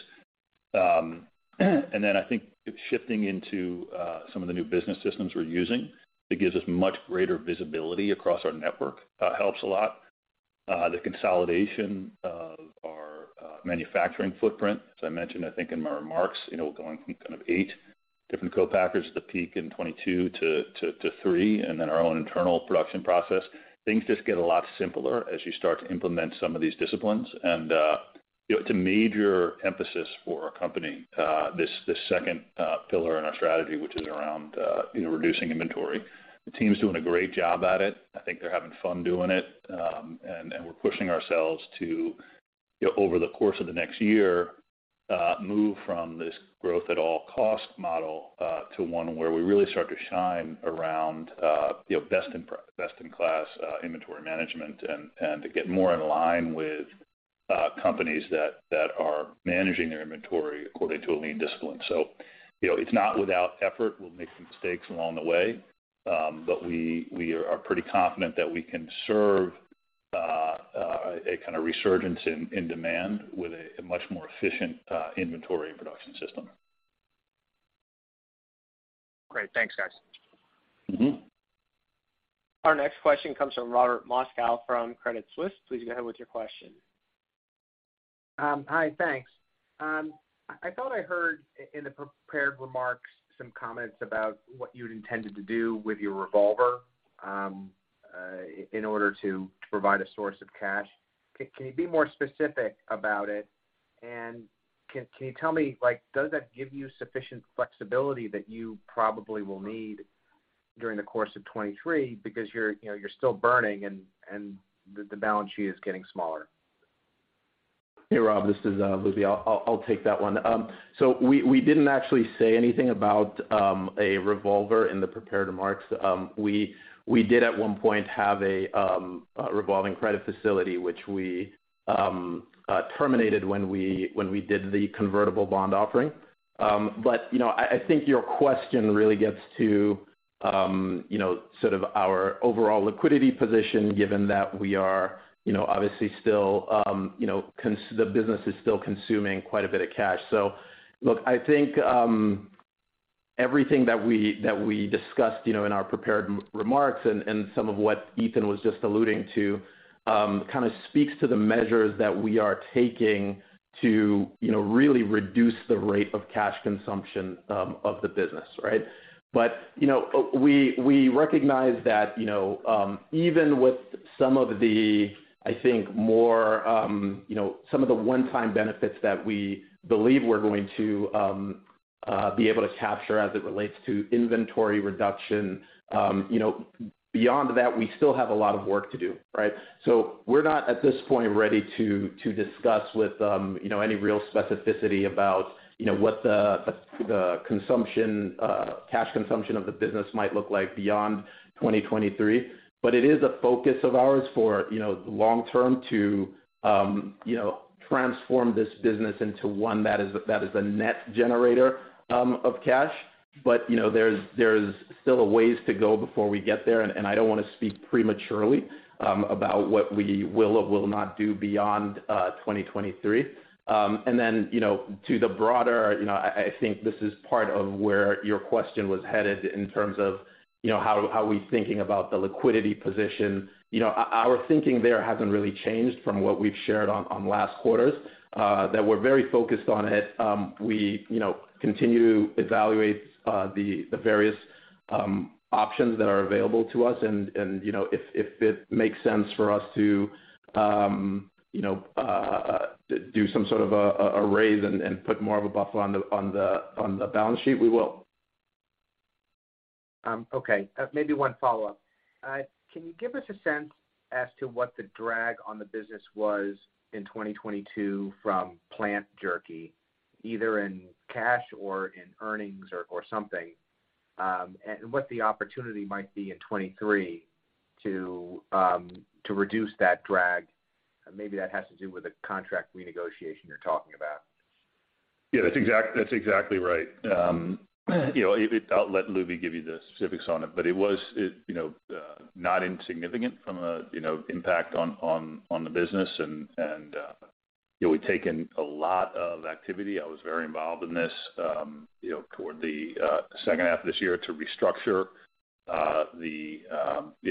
I think shifting into some of the new business systems we're using, it gives us much greater visibility across our network. That helps a lot. The consolidation of our manufacturing footprint, as I mentioned, I think in my remarks, you know, going from kind of eight different co-packers at the peak in 2022 to three, and then our own internal production process. Things just get a lot simpler as you start to implement some of these disciplines. You know, it's a major emphasis for our company, this second pillar in our strategy, which is around, you know, reducing inventory. The team's doing a great job at it. I think they're having fun doing it. We're pushing ourselves to, you know, over the course of the next year, move from this growth at all cost model, to one where we really start to shine around, you know, best in class, inventory management and to get more in line with, companies that are managing their inventory according to a lean discipline. You know, it's not without effort. We'll make some mistakes along the way, but we are pretty confident that we can serve, a kind of resurgence in demand with a much more efficient, inventory and production system. Great. Thanks, guys. Our next question comes from Robert Moskow from Credit Suisse. Please go ahead with your question. Hi. Thanks. I thought I heard in the prepared remarks some comments about what you'd intended to do with your revolver, in order to provide a source of cash. Can you be more specific about it? Can you tell me, like, does that give you sufficient flexibility that you probably will need during the course of 2023 because you're, you know, you're still burning and the balance sheet is getting smaller? Hey, Rob, this is Lubi. I'll take that one. We didn't actually say anything about a revolver in the prepared remarks. We did at one point have a revolving credit facility, which we terminated when we did the convertible notes offering. You know, I think your question really gets to, you know, sort of our overall liquidity position, given that we are, you know, obviously still the business is still consuming quite a bit of cash. Look, I think, everything that we discussed, you know, in our prepared remarks and some of what Ethan was just alluding to, kind of speaks to the measures that we are taking to, you know, really reduce the rate of cash consumption of the business, right? You know, we recognize that, you know, even with some of the, I think, more, you know, some of the one-time benefits that we believe we're going to be able to capture as it relates to inventory reduction, you know, beyond that, we still have a lot of work to do, right? We're not at this point ready to discuss with, you know, any real specificity about, you know, what the cash consumption of the business might look like beyond 2023. It is a focus of ours for, you know, the long term to, you know, transform this business into one that is a net generator of cash. You know, there's still a ways to go before we get there, and I don't wanna speak prematurely about what we will or will not do beyond 2023. You know, to the broader, you know, I think this is part of where your question was headed in terms of, you know, how we're thinking about the liquidity position. You know, our thinking there hasn't really changed from what we've shared on last quarters, that we're very focused on it. We, you know, continue to evaluate the various options that are available to us and, you know, if it makes sense for us to, you know, do some sort of a raise and put more of a buffer on the balance sheet, we will. Okay. Maybe one follow-up. Can you give us a sense as to what the drag on the business was in 2022 from plant jerky, either in cash or in earnings or something, and what the opportunity might be in 2023 to reduce that drag? Maybe that has to do with a contract renegotiation you're talking about. Yeah, that's exactly right. you know, I'll let Lubi give you the specifics on it, but it was, you know, not insignificant from a, you know, impact on the business and, you know, we've taken a lot of activity. I was very involved in this, you know, toward the second half of this year to restructure the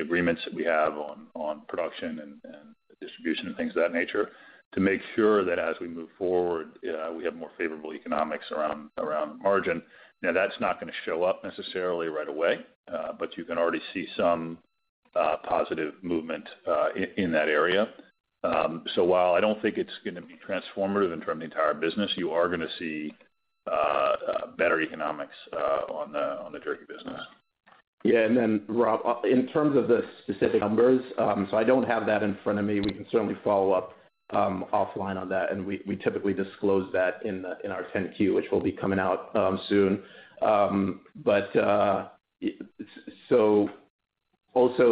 agreements that we have on production and distribution and things of that nature to make sure that as we move forward, we have more favorable economics around margin. Now, that's not gonna show up necessarily right away, but you can already see some positive movement in that area. While I don't think it's gonna be transformative in terms of the entire business, you are gonna see better economics on the jerky business. Yeah. Rob, in terms of the specific numbers, I don't have that in front of me. We can certainly follow up offline on that, and we typically disclose that in our 10-Q, which will be coming out soon. Also,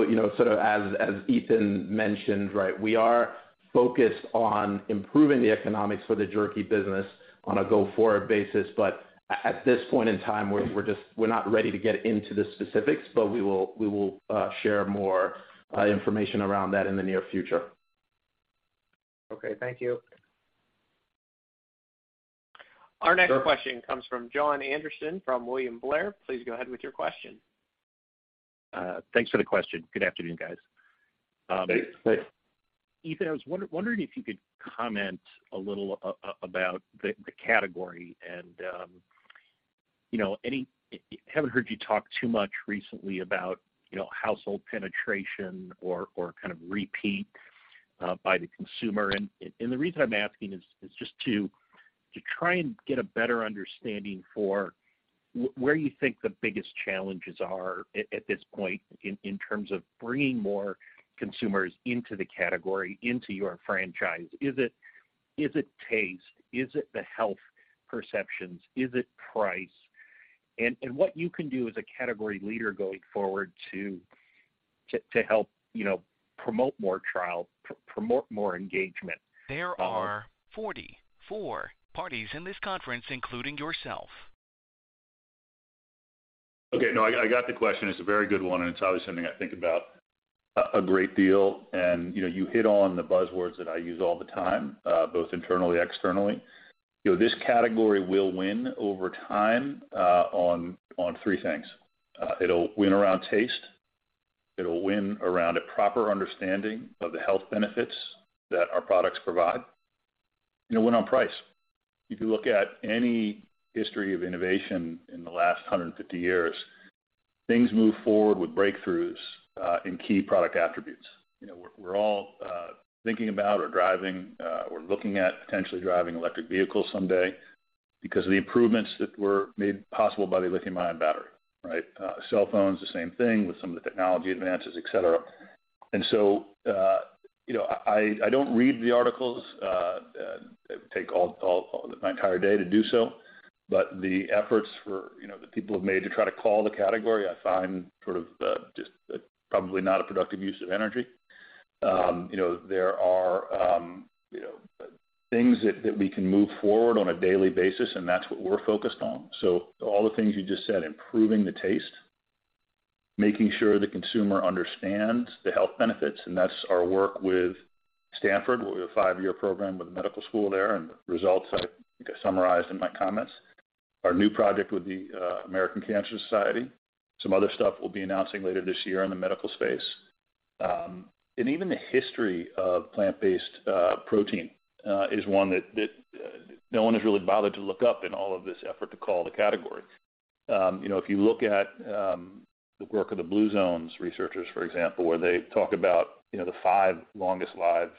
you know, sort of as Ethan mentioned, right, we are focused on improving the economics for the jerky business on a go-forward basis. At this point in time, we're just not ready to get into the specifics, but we will share more information around that in the near future. Okay. Thank you. Our next question comes from Jon Andersen from William Blair. Please go ahead with your question. Thanks for the question. Good afternoon, guys. Thanks. Thanks. Ethan, I was wondering if you could comment a little about the category and, you know, any. Haven't heard you talk too much recently about, you know, household penetration or kind of repeat by the consumer. The reason I'm asking is just to try and get a better understanding for where you think the biggest challenges are at this point in terms of bringing more consumers into the category, into your franchise. Is it taste? Is it the health perceptions? Is it price? What you can do as a category leader going forward to help, you know, promote more trial, promote more engagement? Okay. No, I got the question. It's a very good one, and it's obviously something I think about a great deal. You know, you hit on the buzzwords that I use all the time, both internally, externally. You know, this category will win over time, on three things. It'll win around taste, it'll win around a proper understanding of the health benefits that our products provide, and it'll win on price. If you look at any history of innovation in the last 150 years, things move forward with breakthroughs in key product attributes. You know, we're all thinking about or driving or looking at potentially driving electric vehicles someday because of the improvements that were made possible by the lithium-ion battery, right? Cell phones, the same thing with some of the technology advances, et cetera. You know, I don't read the articles, it would take my entire day to do so, but the efforts for, you know, the people have made to try to call the category, I find sort of, just, probably not a productive use of energy. You know, there are, you know, things that we can move forward on a daily basis. That's what we're focused on. All the things you just said, improving the taste, making sure the consumer understands the health benefits. That's our work with Stanford. We have a 5-year program with the medical school there. The results I summarized in my comments. Our new project with the American Cancer Society. Some other stuff we'll be announcing later this year in the medical space. Even the history of plant-based protein is one that no one has really bothered to look up in all of this effort to call the category. You know, if you look at the work of the Blue Zones researchers, for example, where they talk about, you know, the 5 longest lives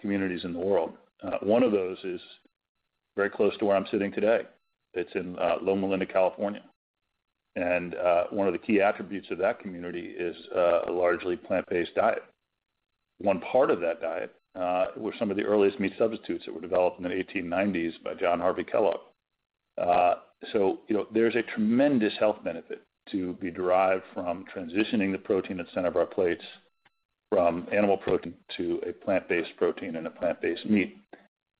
communities in the world, one of those is very close to where I'm sitting today. It's in Loma Linda, California. One of the key attributes of that community is a largely plant-based diet. One part of that diet were some of the earliest meat substitutes that were developed in the 1890s by John Harvey Kellogg. You know, there's a tremendous health benefit to be derived from transitioning the protein at center of our plates from animal protein to a plant-based protein and a plant-based meat.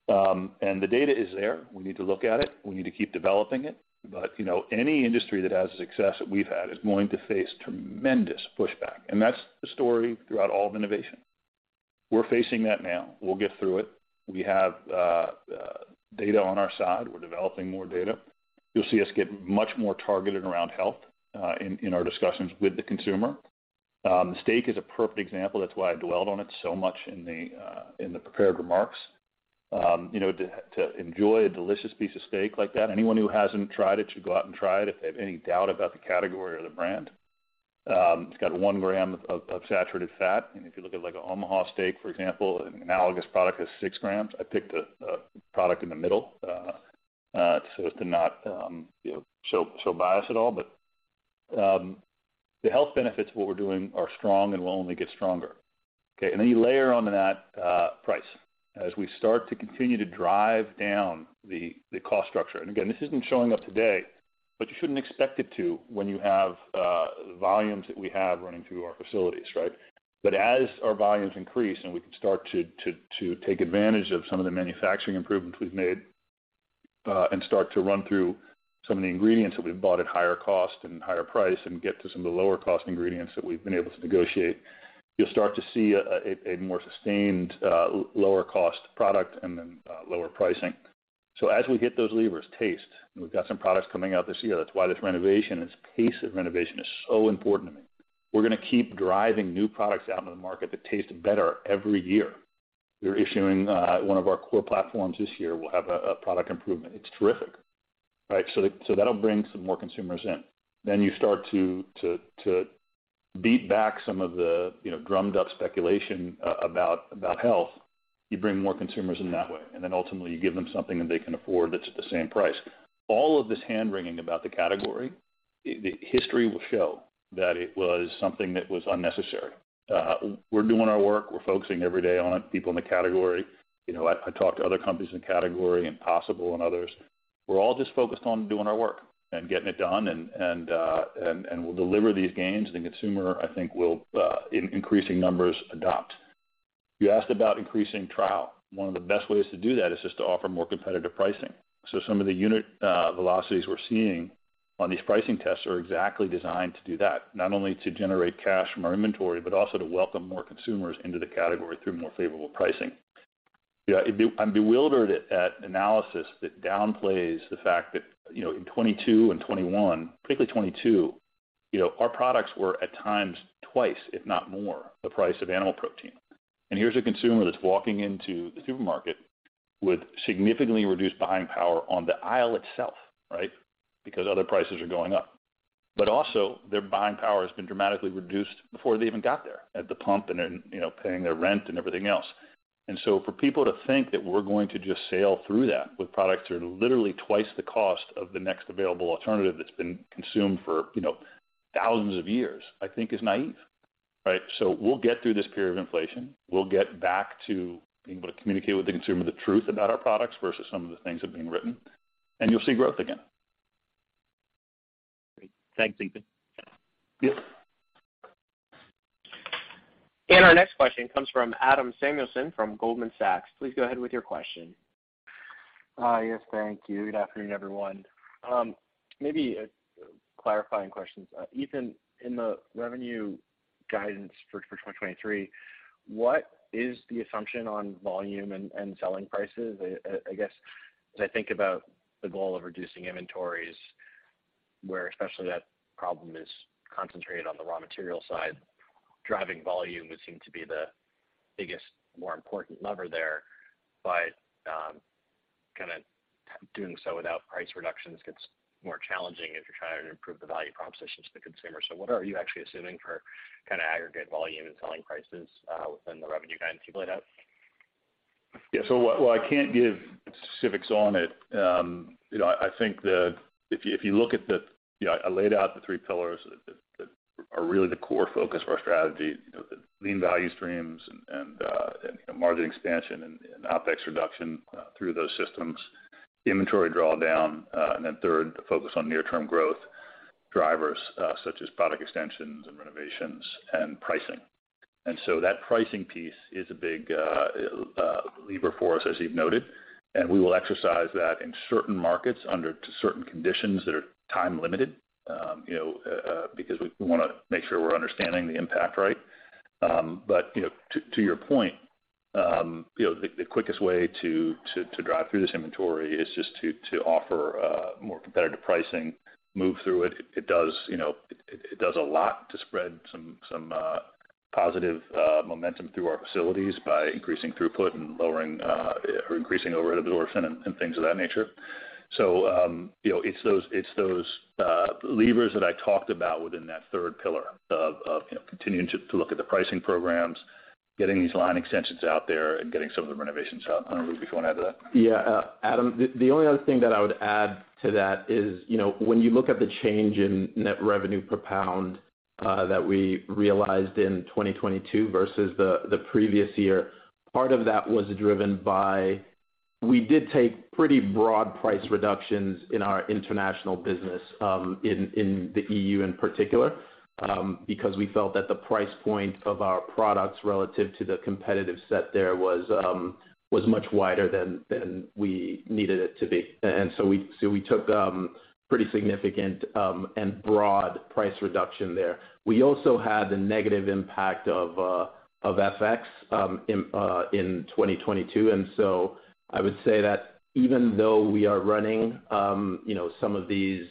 The data is there. We need to look at it. We need to keep developing it. You know, any industry that has the success that we've had is going to face tremendous pushback, and that's the story throughout all of innovation. We're facing that now. We'll get through it. We have data on our side. We're developing more data. You'll see us get much more targeted around health in our discussions with the consumer. The steak is a perfect example. That's why I dwelled on it so much in the prepared remarks. You know, to enjoy a delicious piece of steak like that, anyone who hasn't tried it should go out and try it if they have any doubt about the category or the brand. It's got one gram of saturated fat. If you look at like an Omaha Steaks, for example, an analogous product has six grams. I picked a product in the middle so as to not, you know, show bias at all. The health benefits of what we're doing are strong and will only get stronger, okay. Then you layer onto that price. As we start to continue to drive down the cost structure. Again, this isn't showing up today, but you shouldn't expect it to when you have the volumes that we have running through our facilities, right? As our volumes increase and we can start to take advantage of some of the manufacturing improvements we've made and start to run through some of the ingredients that we've bought at higher cost and higher price and get to some of the lower cost ingredients that we've been able to negotiate, you'll start to see a more sustained lower cost product and then lower pricing. As we get those levers, taste, and we've got some products coming out this year, that's why this renovation, this pace of renovation is so important to me. We're gonna keep driving new products out into the market that taste better every year. We're issuing, one of our core platforms this year will have a product improvement. It's terrific, right? So that'll bring some more consumers in. You start to beat back some of the, you know, drummed up speculation about health. You bring more consumers in that way, and then ultimately you give them something that they can afford that's at the same price. All of this hand-wringing about the category, the history will show that it was something that was unnecessary. We're doing our work. We're focusing every day on it, people in the category. You know, I talk to other companies in the category, Impossible and others. We're all just focused on doing our work and getting it done and we'll deliver these gains. The consumer, I think, will in increasing numbers adopt. You asked about increasing trial. One of the best ways to do that is just to offer more competitive pricing. Some of the unit velocities we're seeing on these pricing tests are exactly designed to do that. Not only to generate cash from our inventory, but also to welcome more consumers into the category through more favorable pricing. Yeah, I'm bewildered at that analysis that downplays the fact that, you know, in 2022 and 2021, particularly 2022, you know, our products were at times twice, if not more, the price of animal protein. Here's a consumer that's walking into the supermarket with significantly reduced buying power on the aisle itself, right? Because other prices are going up. Also, their buying power has been dramatically reduced before they even got there at the pump and then, you know, paying their rent and everything else. For people to think that we're going to just sail through that with products that are literally twice the cost of the next available alternative that's been consumed for, you know, thousands of years, I think is naive, right? We'll get through this period of inflation. We'll get back to being able to communicate with the consumer the truth about our products versus some of the things that are being written, and you'll see growth again. Great. Thanks, Ethan. Our next question comes from Adam Samuelson from Goldman Sachs. Please go ahead with your question. Hi. Yes, thank you. Good afternoon, everyone. Maybe a clarifying question. Ethan, in the revenue guidance for 2023, what is the assumption on volume and selling prices? I guess, as I think about the goal of reducing inventories, where especially that problem is concentrated on the raw material side, driving volume would seem to be the biggest, more important lever there, but, kinda doing so without price reductions gets more challenging if you're trying to improve the value propositions to consumers. What are you actually assuming for kinda aggregate volume and selling prices within the revenue guidance you've laid out? While I can't give specifics on it, you know, I think the, if you look at the, you know, I laid out the three pillars that are really the core focus of our strategy. The lean value streams and, you know, margin expansion and OpEx reduction through those systems. Inventory drawdown, third, the focus on near-term growth drivers such as product extensions and renovations and pricing. That pricing piece is a big lever for us, as you've noted, and we will exercise that in certain markets to certain conditions that are time-limited, you know, because we wanna make sure we're understanding the impact right. You know, to your point, you know, the quickest way to drive through this inventory is just to offer more competitive pricing, move through it. It does, you know, it does a lot to spread some positive momentum through our facilities by increasing throughput and lowering or increasing overhead absorption and things of that nature. You know, it's those levers that I talked about within that third pillar of, you know, continuing to look at the pricing programs, getting these line extensions out there and getting some of the renovations out. Lubi, do you wanna add to that? Yeah. Adam, the only other thing that I would add to that is, you know, when you look at the change in net revenue per pound that we realized in 2022 versus the previous year, part of that was driven by. We did take pretty broad price reductions in our international business, in the EU in particular, because we felt that the price point of our products relative to the competitive set there was much wider than we needed it to be. We took pretty significant and broad price reduction there. We also had the negative impact of FX in 2022. I would say that even though we are running, you know, some of these,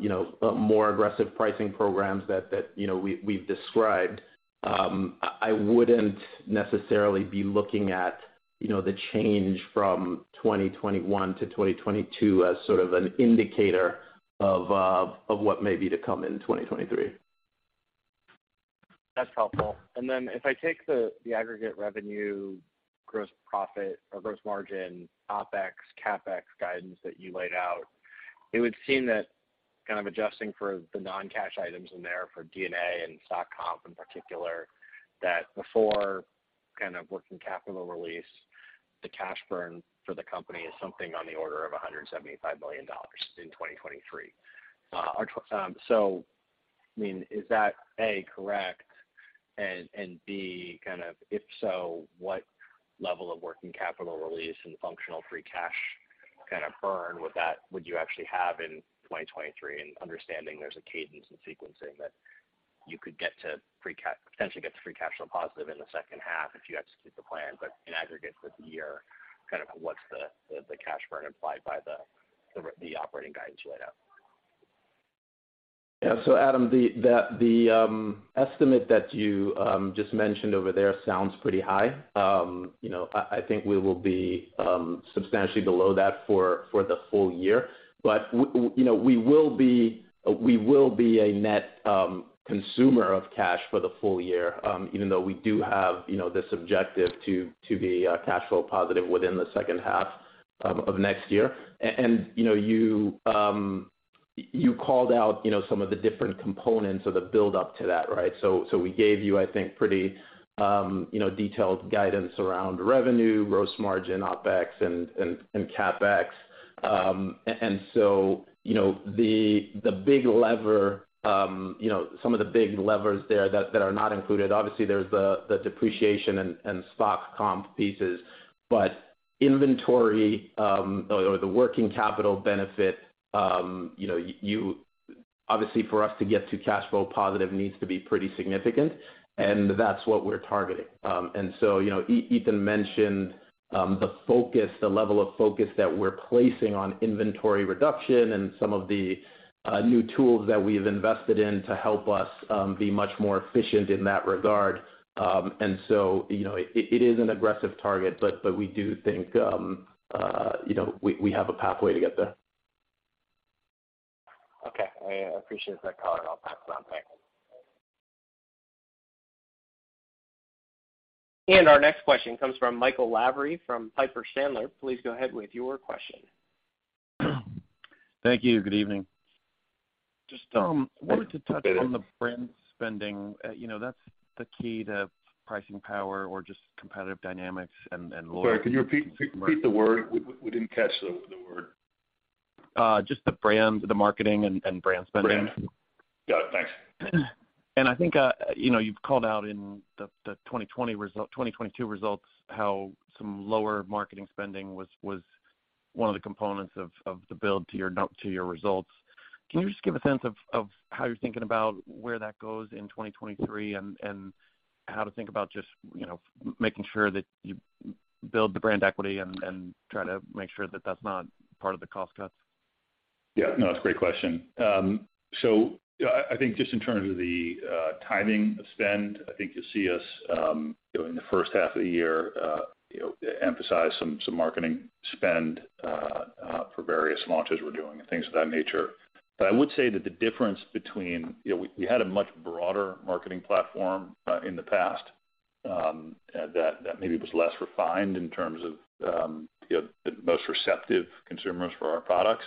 you know, more aggressive pricing programs that, you know, we've described, I wouldn't necessarily be looking at, you know, the change from 2021 to 2022 as sort of an indicator of what may be to come in 2023. That's helpful. If I take the aggregate revenue, gross profit or gross margin, OpEx, CapEx guidance that you laid out, it would seem that kind of adjusting for the non-cash items in there for D&A and stock comp, in particular, that before kind of working capital release, the cash burn for the company is something on the order of $175 million in 2023. So I mean, is that, A, correct, and B, kind of, if so, what level of working capital release and functional free cash kind of burn would you actually have in 2023? Understanding there's a cadence in sequencing that you could potentially get to free cash flow positive in the second half if you execute the plan. In aggregate for the year, kind of what's the cash burn implied by the operating guidance you laid out? Adam, the estimate that you just mentioned over there sounds pretty high. you know, I think we will be substantially below that for the full year. you know, we will be, we will be a net consumer of cash for the full year, even though we do have, you know, this objective to be cash flow positive within the second half of next year. you know, you called out, you know, some of the different components of the buildup to that, right? we gave you, I think, pretty, you know, detailed guidance around revenue, gross margin, OpEx, and CapEx. You know, the big lever, you know, some of the big levers there that are not included, obviously there's the depreciation and stock comp pieces. Inventory, or the working capital benefit, you know, obviously for us to get to cash flow positive needs to be pretty significant, and that's what we're targeting. You know, Ethan mentioned the focus, the level of focus that we're placing on inventory reduction and some of the new tools that we've invested in to help us be much more efficient in that regard. You know, it is an aggressive target, but we do think, you know, we have a pathway to get there. Okay. I appreciate that color. I'll pass it on. Thank you. Our next question comes from Michael Lavery from Piper Sandler. Please go ahead with your question. Thank you. Good evening. Just wanted to touch on the brand spending. You know, that's the key to pricing power or just competitive dynamics. Sorry, could you repeat the word? We didn't catch the word. Just the brand, the marketing and brand spending. Brand. Got it. Thanks. I think, you know, you've called out in the 2022 results how some lower marketing spending was one of the components of the build to your results. Can you just give a sense of how you're thinking about where that goes in 2023 and how to think about just, you know, making sure that you build the brand equity and try to make sure that that's not part of the cost cuts? Yeah. No, that's a great question. I think just in terms of the timing of spend, I think you'll see us, you know, in the first half of the year, you know, emphasize some marketing spend for various launches we're doing and things of that nature. I would say that the difference between, you know, we had a much broader marketing platform in the past, that maybe was less refined in terms of, you know, the most receptive consumers for our products,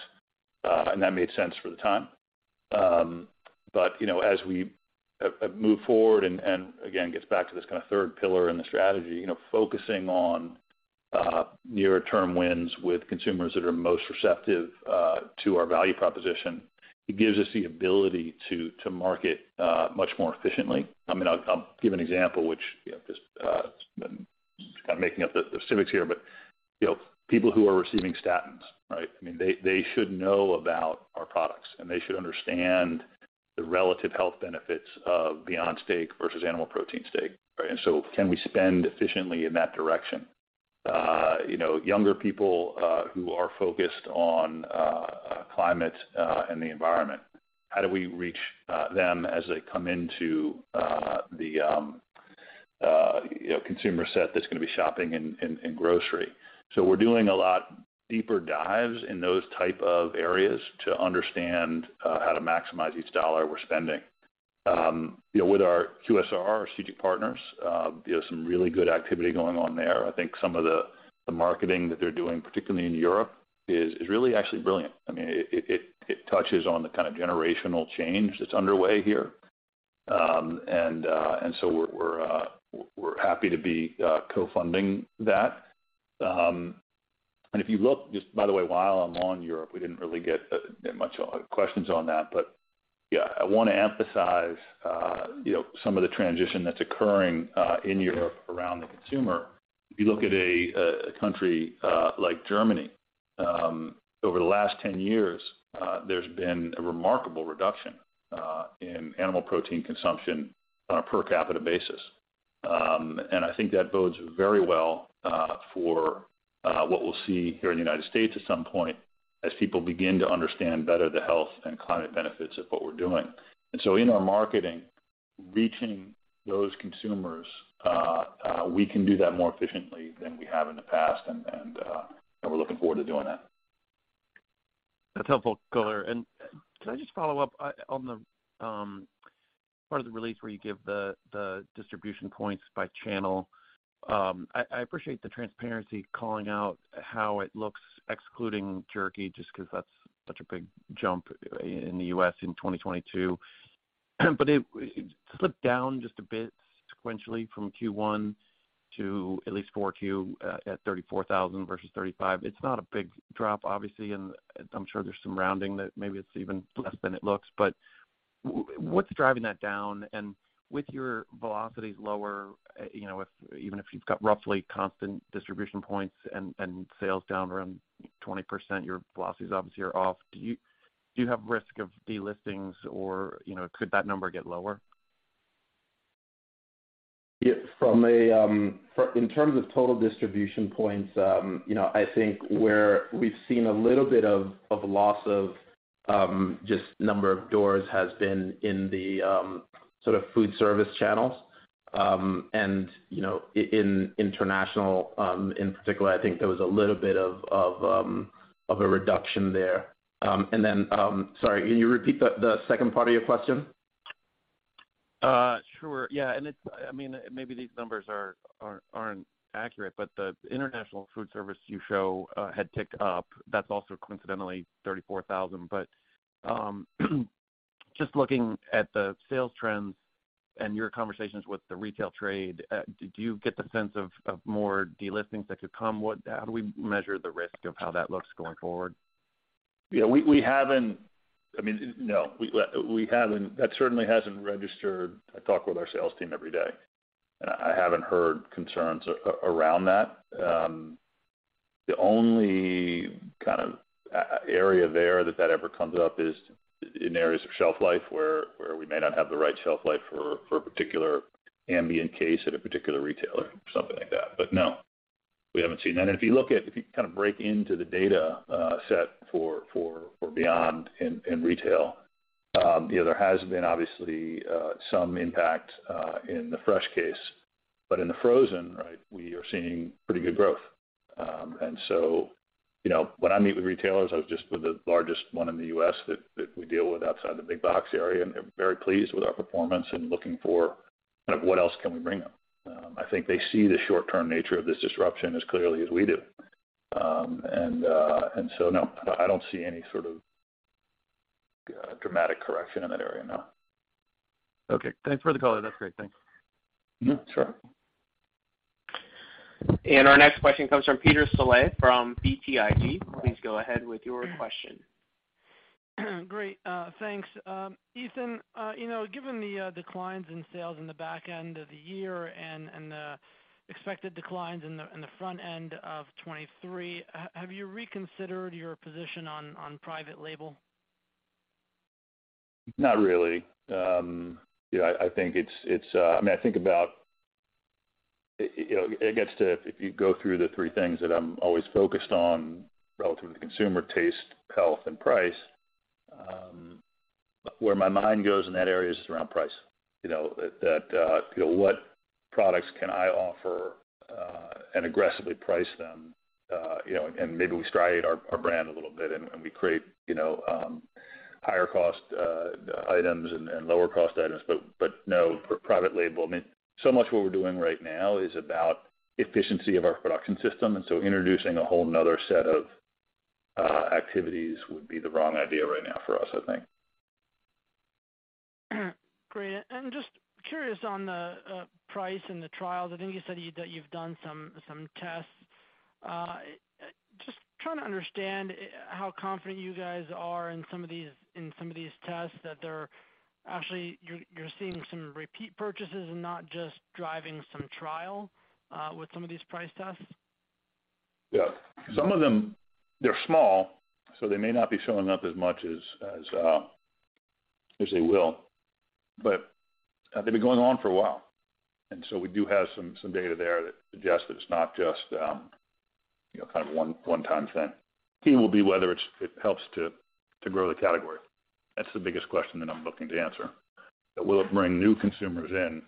and that made sense for the time. You know, as we move forward and, again, gets back to this kind of third pillar in the strategy, you know, focusing on nearer term wins with consumers that are most receptive to our value proposition, it gives us the ability to market much more efficiently. I mean, I'll give an example which, you know, just kind of making up the specifics here, but, you know, people who are receiving statins, right? I mean, they should know about our products, and they should understand the relative health benefits of Beyond Steak versus animal protein steak, right? Can we spend efficiently in that direction? You know, younger people, who are focused on climate and the environment, how do we reach them as they come into the, you know, consumer set that's gonna be shopping in grocery? We're doing a lot deeper dives in those type of areas to understand how to maximize each dollar we're spending. You know, with our QSR, our C&G partners, you know, some really good activity going on there. I think some of the marketing that they're doing, particularly in Europe, is really actually brilliant. I mean, it touches on the kind of generational change that's underway here. So we're happy to be co-funding that. If you look just by the way, while I'm on Europe, we didn't really get much questions on that. Yeah, I wanna emphasize, you know, some of the transition that's occurring in Europe around the consumer. If you look at a country like Germany, over the last 10 years, there's been a remarkable reduction in animal protein consumption on a per capita basis. I think that bodes very well for what we'll see here in the United States at some point as people begin to understand better the health and climate benefits of what we're doing. In our marketing, reaching those consumers, we can do that more efficiently than we have in the past, and we're looking forward to doing that. That's helpful, color. Can I just follow up on the part of the release where you give the distribution points by channel? I appreciate the transparency calling out how it looks excluding jerky, just 'cause that's such a big jump in the U.S. in 2022. It slipped down just a bit sequentially from Q1 to at least 4Q at 34,000 versus 35. It's not a big drop, obviously, and I'm sure there's some rounding that maybe it's even less than it looks. What's driving that down? With your velocities lower, you know, if even if you've got roughly constant distribution points and sales down around 20%, your velocities obviously are off. Do you have risk of delistings or, you know, could that number get lower? Yes. From a, in terms of total distribution points, you know, I think where we've seen a little bit of loss of just number of doors has been in the sort of food service channels. You know, in international, in particular, I think there was a little bit of a reduction there. Sorry, can you repeat the second part of your question? Sure. Yeah. I mean, maybe these numbers aren't accurate, but the international food service you show had ticked up. That's also coincidentally 34,000. Just looking at the sales trends and your conversations with the retail trade, did you get the sense of more delistings that could come? How do we measure the risk of how that looks going forward? Yeah. We haven't. I mean, no. We haven't. That certainly hasn't registered. I talk with our sales team every day, and I haven't heard concerns around that. The only kind of area there that ever comes up is in areas of shelf life where we may not have the right shelf life for a particular ambient case at a particular retailer or something like that. No, we haven't seen that. If you kind of break into the data set for Beyond in retail, you know, there has been obviously some impact in the fresh case. In the frozen, right, we are seeing pretty good growth. You know, when I meet with retailers, I was just with the largest one in the US that we deal with outside the big box area, and they're very pleased with our performance and looking for kind of what else can we bring them. I think they see the short-term nature of this disruption as clearly as we do. No, I don't see any sort of dramatic correction in that area, no. Okay. Thanks for the color. That's great. Thanks. Sure. Our next question comes from Peter Saleh from BTIG. Please go ahead with your question. Great, thanks. Ethan, you know, given the declines in sales in the back end of the year and the expected declines in the front end of 23, have you reconsidered your position on private label? Not really. You know, I think it's, I mean, I think about, you know, it gets to if you go through the three things that I'm always focused on relative to consumer taste, health, and price, where my mind goes in that area is just around price. You know, that, you know, what products can I offer and aggressively price them, you know, and maybe we striate our brand a little bit and we create, you know, higher cost items and lower cost items. No, for private label, I mean, so much what we're doing right now is about efficiency of our production system, and so introducing a whole another set of activities would be the wrong idea right now for us, I think. Great. Just curious on the price and the trials. I think you said that you've done some tests. Just trying to understand how confident you guys are in some of these tests that actually you're seeing some repeat purchases and not just driving some trial with some of these price tests. Some of them, they're small, so they may not be showing up as much as they will. They've been going on for a while, so we do have some data there that suggests that it's not just, you know, kind of one-time thing. Key will be whether it helps to grow the category. That's the biggest question that I'm looking to answer. Will it bring new consumers in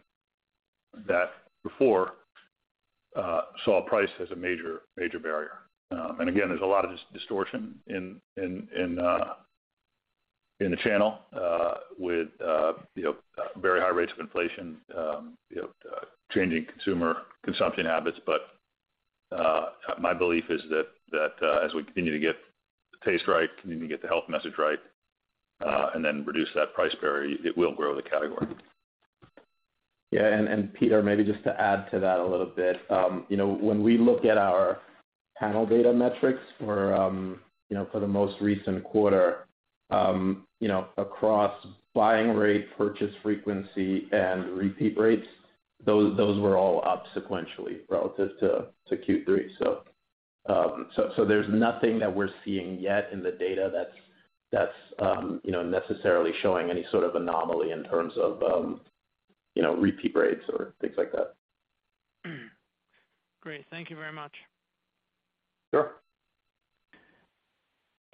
that before saw price as a major barrier. Again, there's a lot of this distortion in the channel, with, you know, very high rates of inflation, you know, changing consumer consumption habits. My belief is that, as we continue to get the taste right, continue to get the health message right, and then reduce that price barrier, it will grow the category. Yeah. Peter, maybe just to add to that a little bit. You know, when we look at our panel data metrics for, you know, for the most recent quarter, you know, across buying rate, purchase frequency, and repeat rates, those were all up sequentially relative to Q3. There's nothing that we're seeing yet in the data that's, you know, necessarily showing any sort of anomaly in terms of, you know, repeat rates or things like that. Great. Thank you very much. Sure.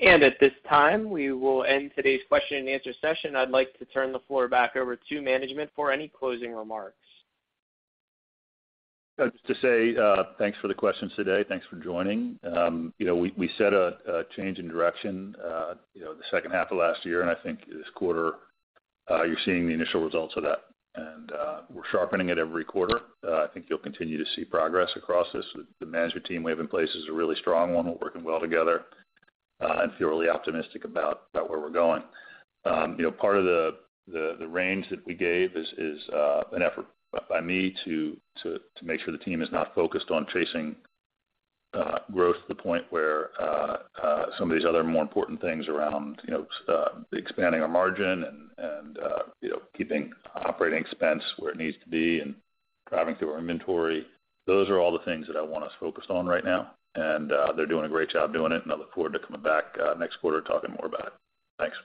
At this time, we will end today's question and answer session. I'd like to turn the floor back over to management for any closing remarks. Just to say, thanks for the questions today. Thanks for joining. You know, we set a change in direction, you know, the second half of last year, and I think this quarter, you're seeing the initial results of that. We're sharpening it every quarter. I think you'll continue to see progress across this. The management team we have in place is a really strong one. We're working well together, and feel really optimistic about where we're going. You know, part of the range that we gave is an effort by me to make sure the team is not focused on chasing growth to the point where some of these other more important things around, you know, expanding our margin and, you know, keeping operating expense where it needs to be and driving through our inventory. Those are all the things that I want us focused on right now, and they're doing a great job doing it, and I look forward to coming back next quarter talking more about it. Thanks.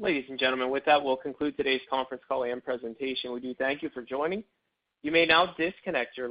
Ladies and gentlemen, with that, we'll conclude today's conference call and presentation. We do thank you for joining. You may now disconnect your lines.